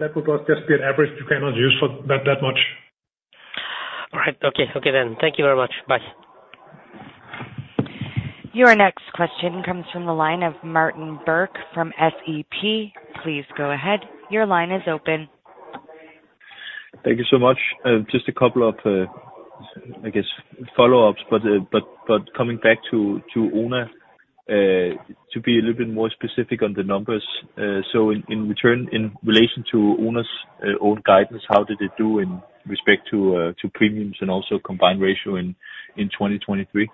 That would just be an average you cannot use for that, that much. All right. Okay. Okay, then. Thank you very much. Bye. Your next question comes from the line of Martin Birk from SEB. Please go ahead. Your line is open. Thank you so much. Just a couple of, I guess, follow-ups, but coming back to Oona, to be a little bit more specific on the numbers. So in return, in relation to Oona's own guidance, how did it do in respect to premiums and also combined ratio in 2023?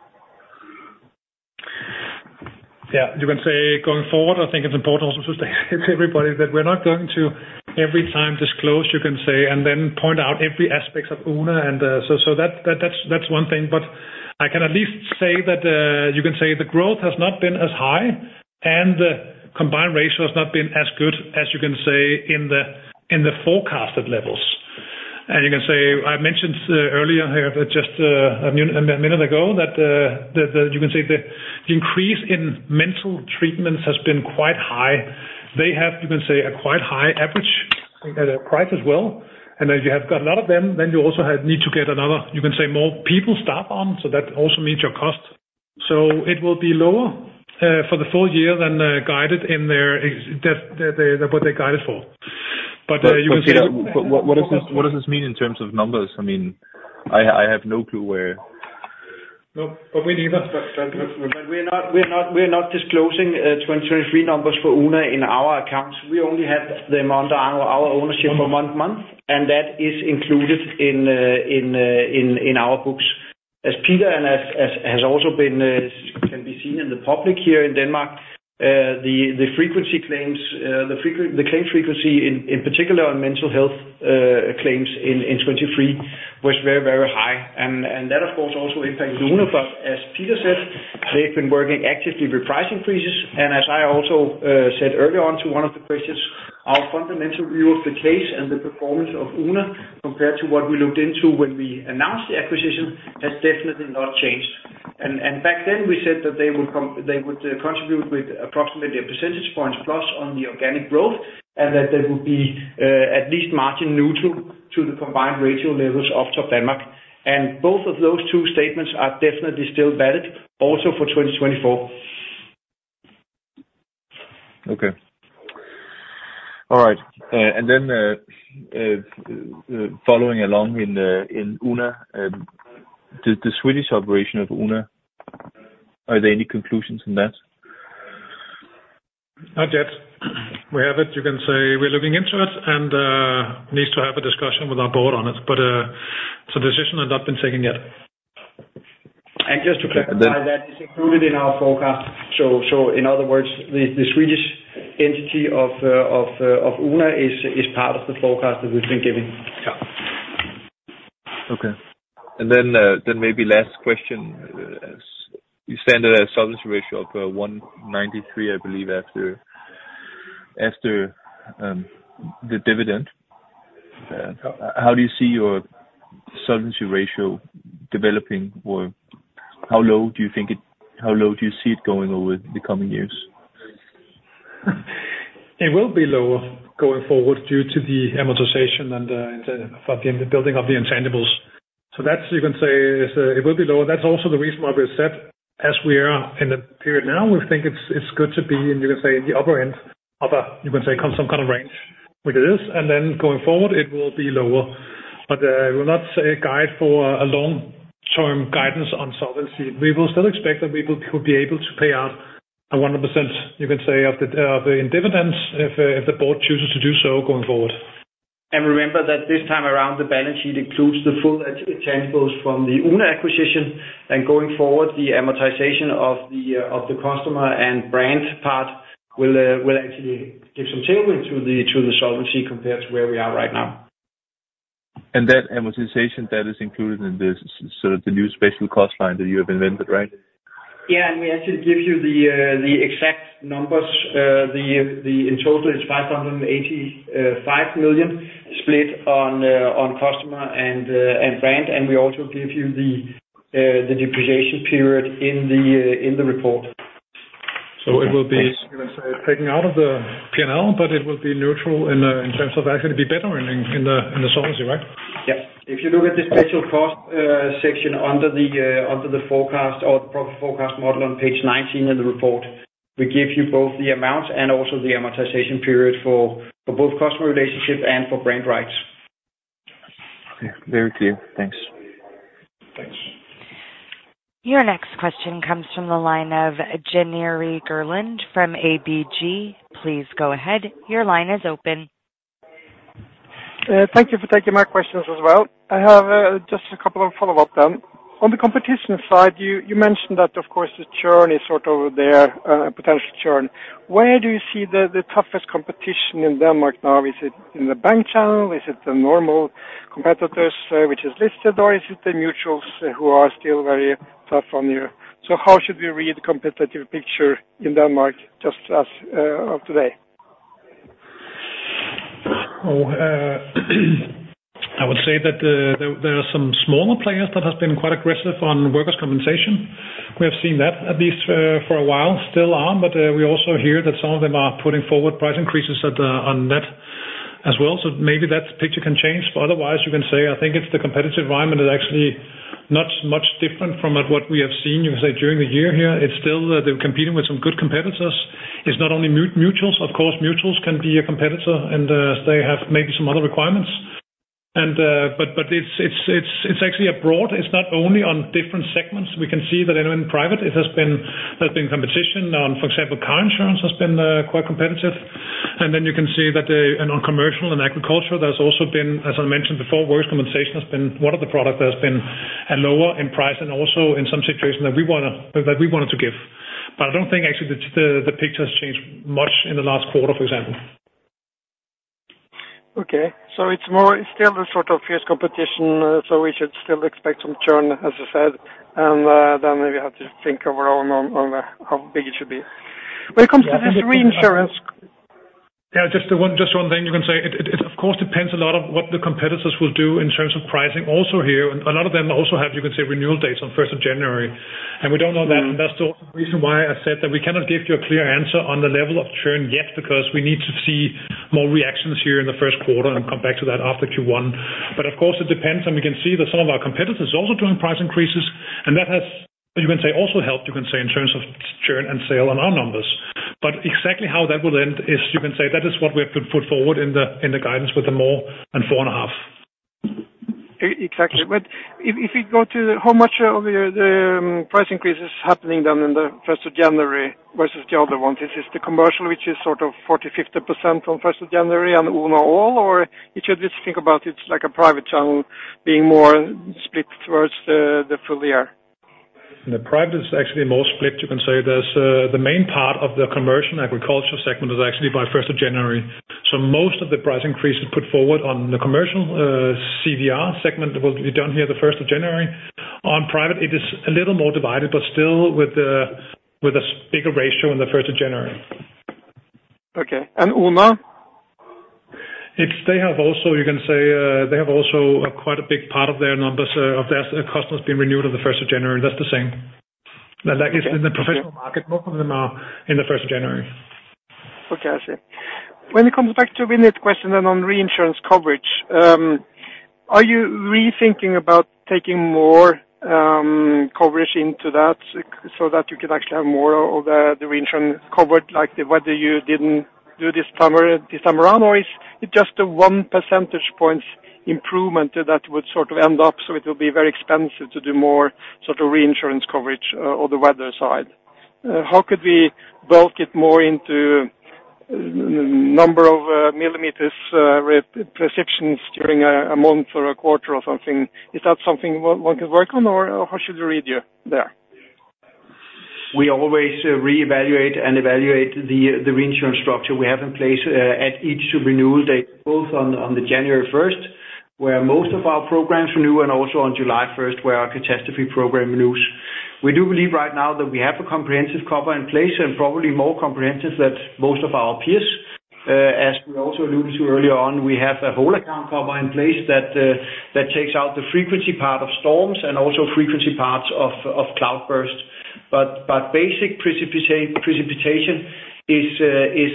Yeah, you can say, going forward, I think it's important also to say to everybody that we're not going to every time disclose, you can say, and then point out every aspects of Oona. And, so that that's one thing. But I can at least say that, you can say the growth has not been as high, and the combined ratio has not been as good as you can say in the forecasted levels. And you can say, I mentioned earlier here, just a minute ago, that the you can say the increase in mental treatments has been quite high. They have, you can say, a quite high average price as well. And as you have got a lot of them, then you also have need to get another, you can say, more people staff on. So that also means your cost. So it will be lower, for the full year than, guided in their, that, that, what they guided for. But you can say- But what does this mean in terms of numbers? I mean, I have no clue where. No, but me neither. But we're not disclosing 2023 numbers for Oona in our accounts. We only had them under our ownership for one month, and that is included in our books. As Peter and as has also been can be seen in the public here in Denmark, the claim frequency, in particular, on mental health claims in 2023 was very, very high. And that, of course, also impacted Oona. But as Peter said, they've been working actively with price increases, and as I also said earlier on to one of the questions, our fundamental view of the case and the performance of Oona, compared to what we looked into when we announced the acquisition, has definitely not changed. And back then, we said that they would contribute with approximately a percentage points plus on the organic growth, and that they would be at least margin neutral to the combined ratio levels of Topdanmark. And both of those two statements are definitely still valid, also for 2024. Okay. All right, and then, following along in Oona, the Swedish operation of Oona, are there any conclusions in that? Not yet. We have it, you can say we're looking into it, and needs to have a discussion with our board on it, but so the decision has not been taken yet. Just to clarify that, it's included in our forecast. So in other words, the Swedish entity of Oona is part of the forecast that we've been giving. Okay. And then maybe last question, as you said, a solvency ratio of 193, I believe, after the dividend. How do you see your solvency ratio developing or how low do you think it, how low do you see it going over the coming years? It will be lower going forward due to the amortization and, and the building of the intangibles. So that's, you can say, is, it will be lower. That's also the reason why we said, as we are in the period now, we think it's, it's good to be, and you can say in the upper end of a, you can say, come some kind of range, which it is, and then going forward, it will be lower. But, I will not say guide for a long-term guidance on solvency. We will still expect that we will to be able to pay out 100%, you can say, of the, in dividends, if, if the board chooses to do so going forward. And remember that this time around, the balance sheet includes the full intangibles from the Oona acquisition, and going forward, the amortization of the, of the customer and brand part will, will actually give some tailwind to the, to the solvency compared to where we are right now. And that amortization, that is included in this, so the new special cost line that you have invented, right? Yeah, and we actually give you the exact numbers. The— in total is 585 million, split on customer and brand. And we also give you the depreciation period in the report. You can say, taken out of the P&L, but it will be neutral in, in terms of actually be better in, in the, in the solvency, right? Yep. If you look at the special cost, section under the, under the forecast or profit forecast model on page 19 in the report, we give you both the amount and also the amortization period for, for both customer relationship and for brand rights. Okay. Very clear. Thanks. Thanks. Your next question comes from the line of Jan Erik Gjerland from ABG. Please go ahead. Your line is open. Thank you for taking my questions as well. I have just a couple of follow-up then. On the competition side, you mentioned that, of course, the churn is sort of there, potential churn. Where do you see the toughest competition in Denmark now? Is it in the bank channel? Is it the normal competitors, which is listed, or is it the mutuals who are still very tough on you? So how should we read competitive picture in Denmark, just as of today? Oh, I would say that, there are some smaller players that has been quite aggressive on workers' compensation. We have seen that at least, for a while, still are, but, we also hear that some of them are putting forward price increases at, on net as well. So maybe that picture can change. But otherwise, you can say, I think it's the competitive environment is actually not much different from what we have seen, you can say, during the year here. It's still, they're competing with some good competitors. It's not only mutuals. Of course, mutuals can be a competitor, and, they have maybe some other requirements. And, but it's actually abroad. It's not only on different segments. We can see that in private, it has been, there's been competition on, for example, car insurance has been quite competitive. And then you can see that, and on commercial and agricultural, there's also been, as I mentioned before, workers' compensation has been one of the product that has been lower in price, and also in some situations that we wanna, that we wanted to give. But I don't think actually the picture has changed much in the last quarter, for example. Okay. So it's more, it's still a sort of fierce competition, so we should still expect some churn, as you said, and, then maybe have to think overall on, on, how big it should be. When it comes to the reinsurance- Yeah, just the one, just one thing you can say. It, of course, depends a lot on what the competitors will do in terms of pricing also here. A lot of them also have, you can say, renewal dates on 1st of January, and we don't know that. That's the reason why I said that we cannot give you a clear answer on the level of churn yet, because we need to see more reactions here in the first quarter and come back to that after Q1. But of course, it depends, and we can see that some of our competitors are also doing price increases, and that has, you can say, also helped, you can say, in terms of churn and sale on our numbers. But exactly how that will end is, you can say, that is what we have put forward in the guidance with the more than 4.5. Exactly. But if we go to how much of the price increases happening then in the 1st of January versus the other ones, is this the commercial, which is sort of 40%, 50% on 1st of January on Oona all, or you should just think about it like a private channel being more split towards the full year? The private is actually more split, you can say. There's the main part of the commercial agriculture segment is actually by 1st of January. So most of the price increases put forward on the commercial CVR segment will be done here the 1st of January. On private, it is a little more divided, but still with the, with a bigger ratio on the 1st of January. Okay. And Oona? It's they have also, you can say, they have also quite a big part of their numbers, of their customers being renewed on the 1st of January. That's the same. Like, in the professional market, most of them are in the 1st of January. Okay, I see. When it comes back to Vinit's question then on reinsurance coverage, are you rethinking about taking more coverage into that so that you can actually have more of the reinsurance covered, like whether you didn't do this summer, this summer around, or is it just a 1 percentage point improvement that would sort of end up, so it will be very expensive to do more sort of reinsurance coverage on the weather side? How could we bulk it more into a number of millimeters with precipitation during a month or a quarter or something? Is that something one can work on, or how should we read you there? We always reevaluate and evaluate the reinsurance structure we have in place at each renewal date, both on January 1st, where most of our programs renew, and also on July 1st, where our catastrophe program renews. We do believe right now that we have a comprehensive cover in place and probably more comprehensive than most of our peers. As we also alluded to earlier on, we have a whole account cover in place that takes out the frequency part of storms and also frequency parts of cloudburst. But basic precipitation is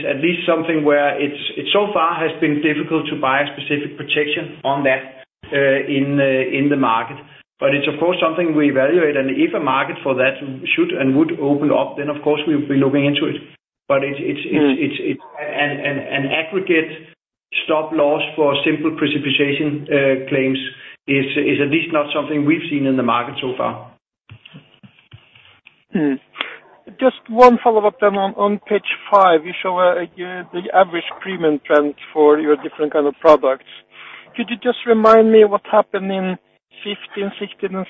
at least something where it so far has been difficult to buy a specific protection on that in the market. But it's, of course, something we evaluate, and if a market for that should and would open up, then, of course, we'll be looking into it. But it's- and aggregate stop loss for simple precipitation claims is at least not something we've seen in the market so far. Just one follow-up then on page five, you show the average premium trend for your different kind of products. Could you just remind me what happened in 2015, 2016, and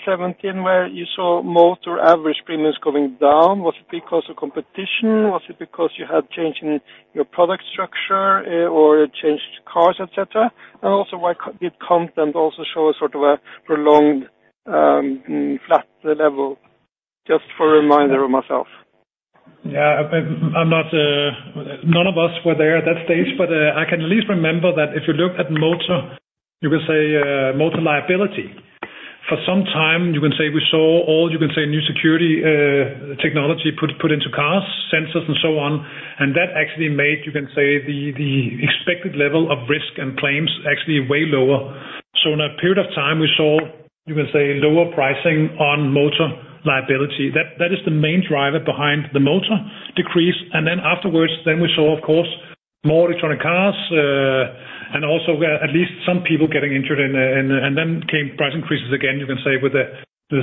2017, where you saw Motor average premiums going down? Was it because of competition? Was it because you had change in your product structure, or changed cars, et cetera? And also, why did contents also show sort of a prolonged flat level? Just for a reminder of myself. Yeah, I'm not... None of us were there at that stage, but, I can at least remember that if you look at Motor, you can say, Motor liability. For some time, you can say we saw all, you can say, new security technology put into cars, sensors, and so on, and that actually made, you can say, the expected level of risk and claims actually way lower. So in a period of time, we saw, you can say, lower pricing on Motor liability. That is the main driver behind the Motor decrease, and then afterwards, then we saw, of course, more electronic cars, and also where at least some people getting injured in, and, and then came price increases again, you can say, with the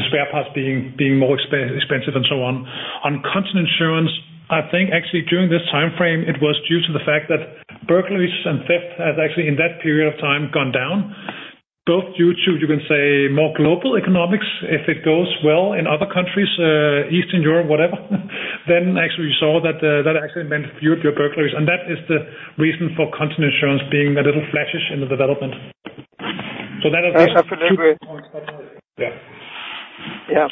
spare parts being more expensive and so on. On content insurance, I think actually during this timeframe, it was due to the fact that burglaries and theft has actually, in that period of time, gone down, both due to, you can say, more global economics. If it goes well in other countries, Eastern Europe, whatever, then actually we saw that that actually meant fewer burglaries. And that is the reason for content insurance being a little flattish in the development. So that Yeah.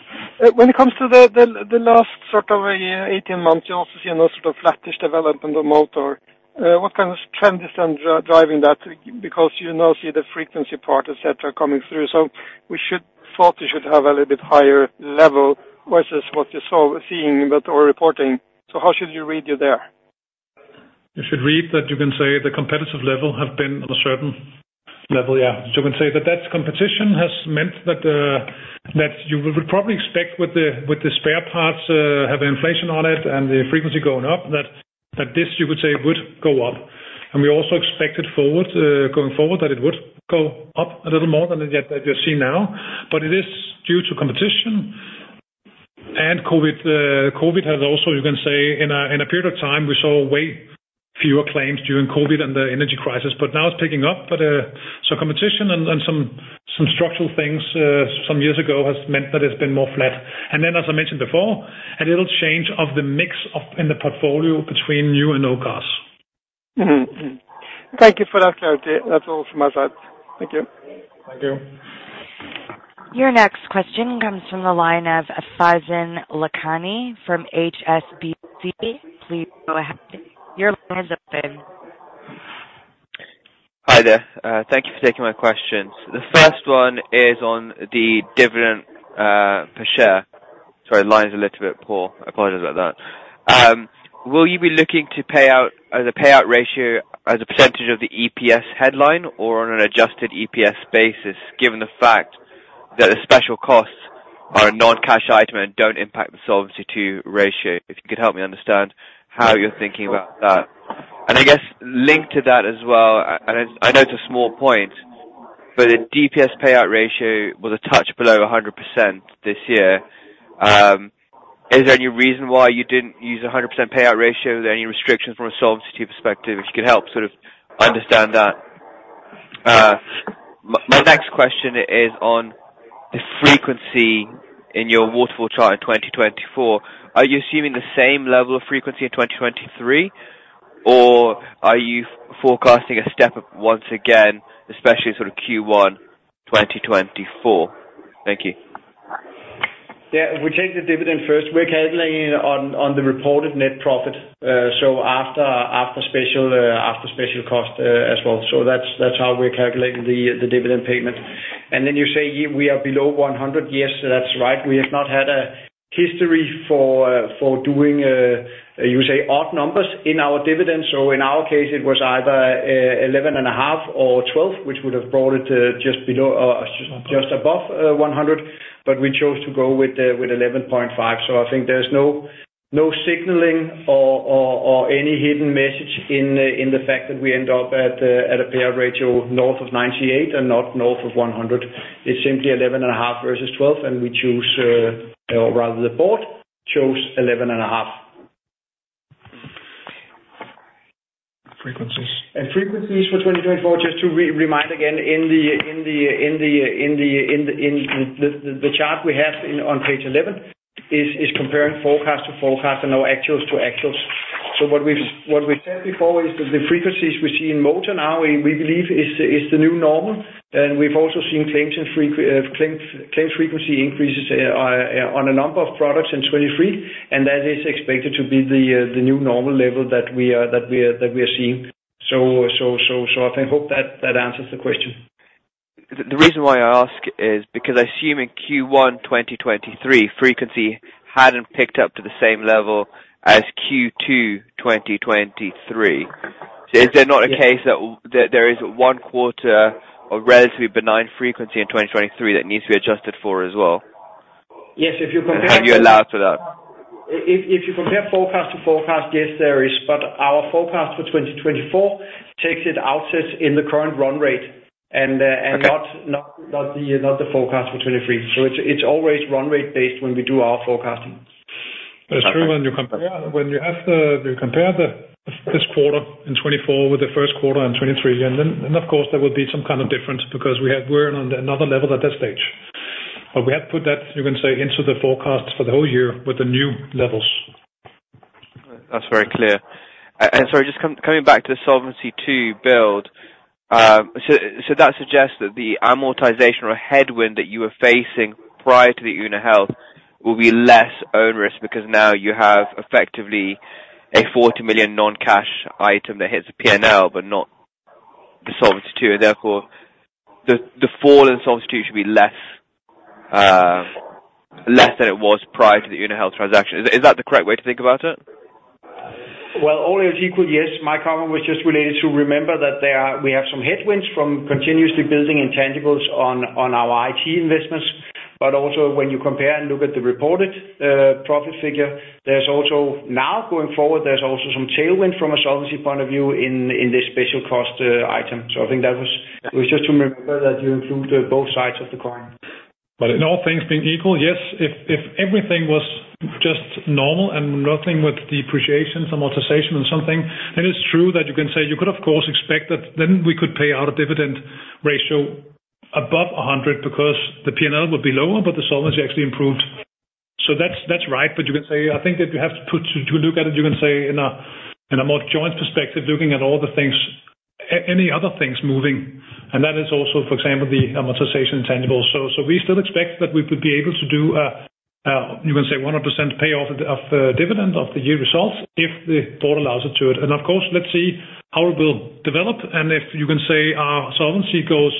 When it comes to the last sort of 18 months, you also see a more sort of flattish development on Motor. What kind of trends are driving that? Because you now see the frequency part, et cetera, coming through. So we should thought you should have a little bit higher level versus what you saw, seeing, but are reporting. So how should you read you there? You should read that you can say the competitive level have been on a certain level, yeah. You can say that that competition has meant that, that you would probably expect with the, with the spare parts, have inflation on it and the frequency going up, that, that this, you would say, would go up. And we also expected forward, going forward, that it would go up a little more than that you're seeing now. But it is due to competition and COVID. COVID has also, you can say, in a, in a period of time, we saw way fewer claims during COVID and the energy crisis, but now it's picking up. But, so competition and, and some, some structural things, some years ago has meant that it's been more flat. And then, as I mentioned before, a little change of the mix of in the portfolio between new and old cars. Mm-hmm. Mm-hmm. Thank you for that clarity. That's all from my side. Thank you. Thank you. Your next question comes from the line of Faizan Lakhani from HSBC. Please go ahead. Your line is open. Hi there. Thank you for taking my questions. The first one is on the dividend per share. Sorry, line is a little bit poor. I apologize about that. Will you be looking to pay out as a payout ratio, as a percentage of the EPS headline or on an adjusted EPS basis, given the fact that the special costs are a non-cash item and don't impact the Solvency II ratio? If you could help me understand how you're thinking about that. And I guess linked to that as well, I know it's a small point, but the DPS payout ratio was a touch below 100% this year. Is there any reason why you didn't use a 100% payout ratio? Are there any restrictions from a solvency perspective, if you could help sort of understand that? My next question is on the frequency in your waterfall chart in 2024. Are you assuming the same level of frequency in 2023, or are you forecasting a step up once again, especially sort of Q1 2024? Thank you. Yeah, if we take the dividend first, we're calculating it on, on the reported net profit, so after, after special, after special cost, as well. So that's, that's how we're calculating the, the dividend payment. And then you say we are below 100. Yes, that's right. We have not had a history for, for doing, you say, odd numbers in our dividends. So in our case, it was either 11.5 or 12, which would have brought it to just below or, excuse me, just above, 100, but we chose to go with, with 11.5. So I think there's no, no signaling or, or, or any hidden message in the, in the fact that we end up at a, at a payout ratio north of 98 and not north of 100. It's simply 11.5 versus 12, and we choose, or rather the board, chose 11.5. Frequencies. Frequencies for 2024, just to remind again, in the chart we have on page 11, is comparing forecast to forecast and our actuals to actuals. So what we've said before is that the frequencies we see in Motor now, we believe is the new normal. And we've also seen claims and claim frequency increases on a number of products in 2023, and that is expected to be the new normal level that we are seeing. So I hope that that answers the question. The reason why I ask is because I assume in Q1 2023, frequency hadn't picked up to the same level as Q2 2023. So is there not a case that there is one quarter of relatively benign frequency in 2023 that needs to be adjusted for as well? Have you allowed for that? If you compare forecast-to-forecast, yes, there is, but our forecast for 2024 takes its outset in the current run rate, and not the forecast for 2023. So it's always run rate based when we do our forecasting. That's true. When you compare this quarter in 2024 with the first quarter in 2023, then, of course, there will be some kind of difference because we're on another level at that stage. But we have put that, you can say, into the forecast for the whole year with the new levels. That's very clear. And sorry, just coming back to the Solvency II build. So, so that suggests that the amortization or headwind that you were facing prior to the Oona Health will be less onerous because now you have effectively a 40 million non-cash item that hits P&L, but not the Solvency II, and therefore, the fall in Solvency II should be less, less than it was prior to the Oona Health transaction. Is that the correct way to think about it? Well, all else equal, yes. My comment was just related to remember that there are, we have some headwinds from continuously building intangibles on our IT investments. But also when you compare and look at the reported profit figure, there's also now going forward some tailwind from a solvency point of view in this special cost item. So I think that was just to remember that you include both sides of the coin. But in all things being equal, yes, if everything was just normal and nothing with depreciation, amortization, and something, then it's true that you can say you could, of course, expect that then we could pay out a dividend ratio above 100 because the P&L would be lower, but the solvency actually improved. So that's right. But you can say, I think that you have to put to look at it, you can say in a more joint perspective, looking at all the things, any other things moving, and that is also, for example, the amortization of intangible. So we still expect that we could be able to do a, you can say, 100% payoff of dividend of the year results if the board allows it. Of course, let's see how it will develop, and if you can say our solvency goes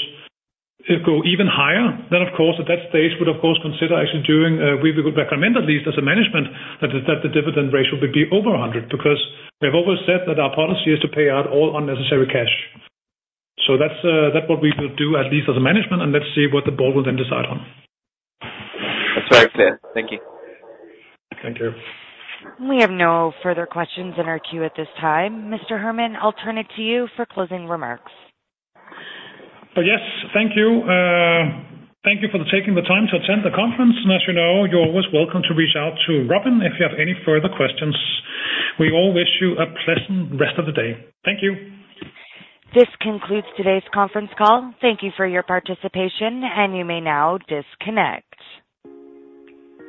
even higher, then of course, at that stage, would of course consider actually doing, we would recommend at least as a management, that the dividend ratio would be over 100. Because we have always said that our policy is to pay out all unnecessary cash. So that's, that's what we will do, at least as a management, and let's see what the board will then decide on. That's very clear. Thank you. Thank you. We have no further questions in our queue at this time. Mr. Hermann, I'll turn it to you for closing remarks. Yes, thank you. Thank you for taking the time to attend the conference. As you know, you're always welcome to reach out to Robin if you have any further questions. We all wish you a pleasant rest of the day. Thank you. This concludes today's conference call. Thank you for your participation, and you may now disconnect.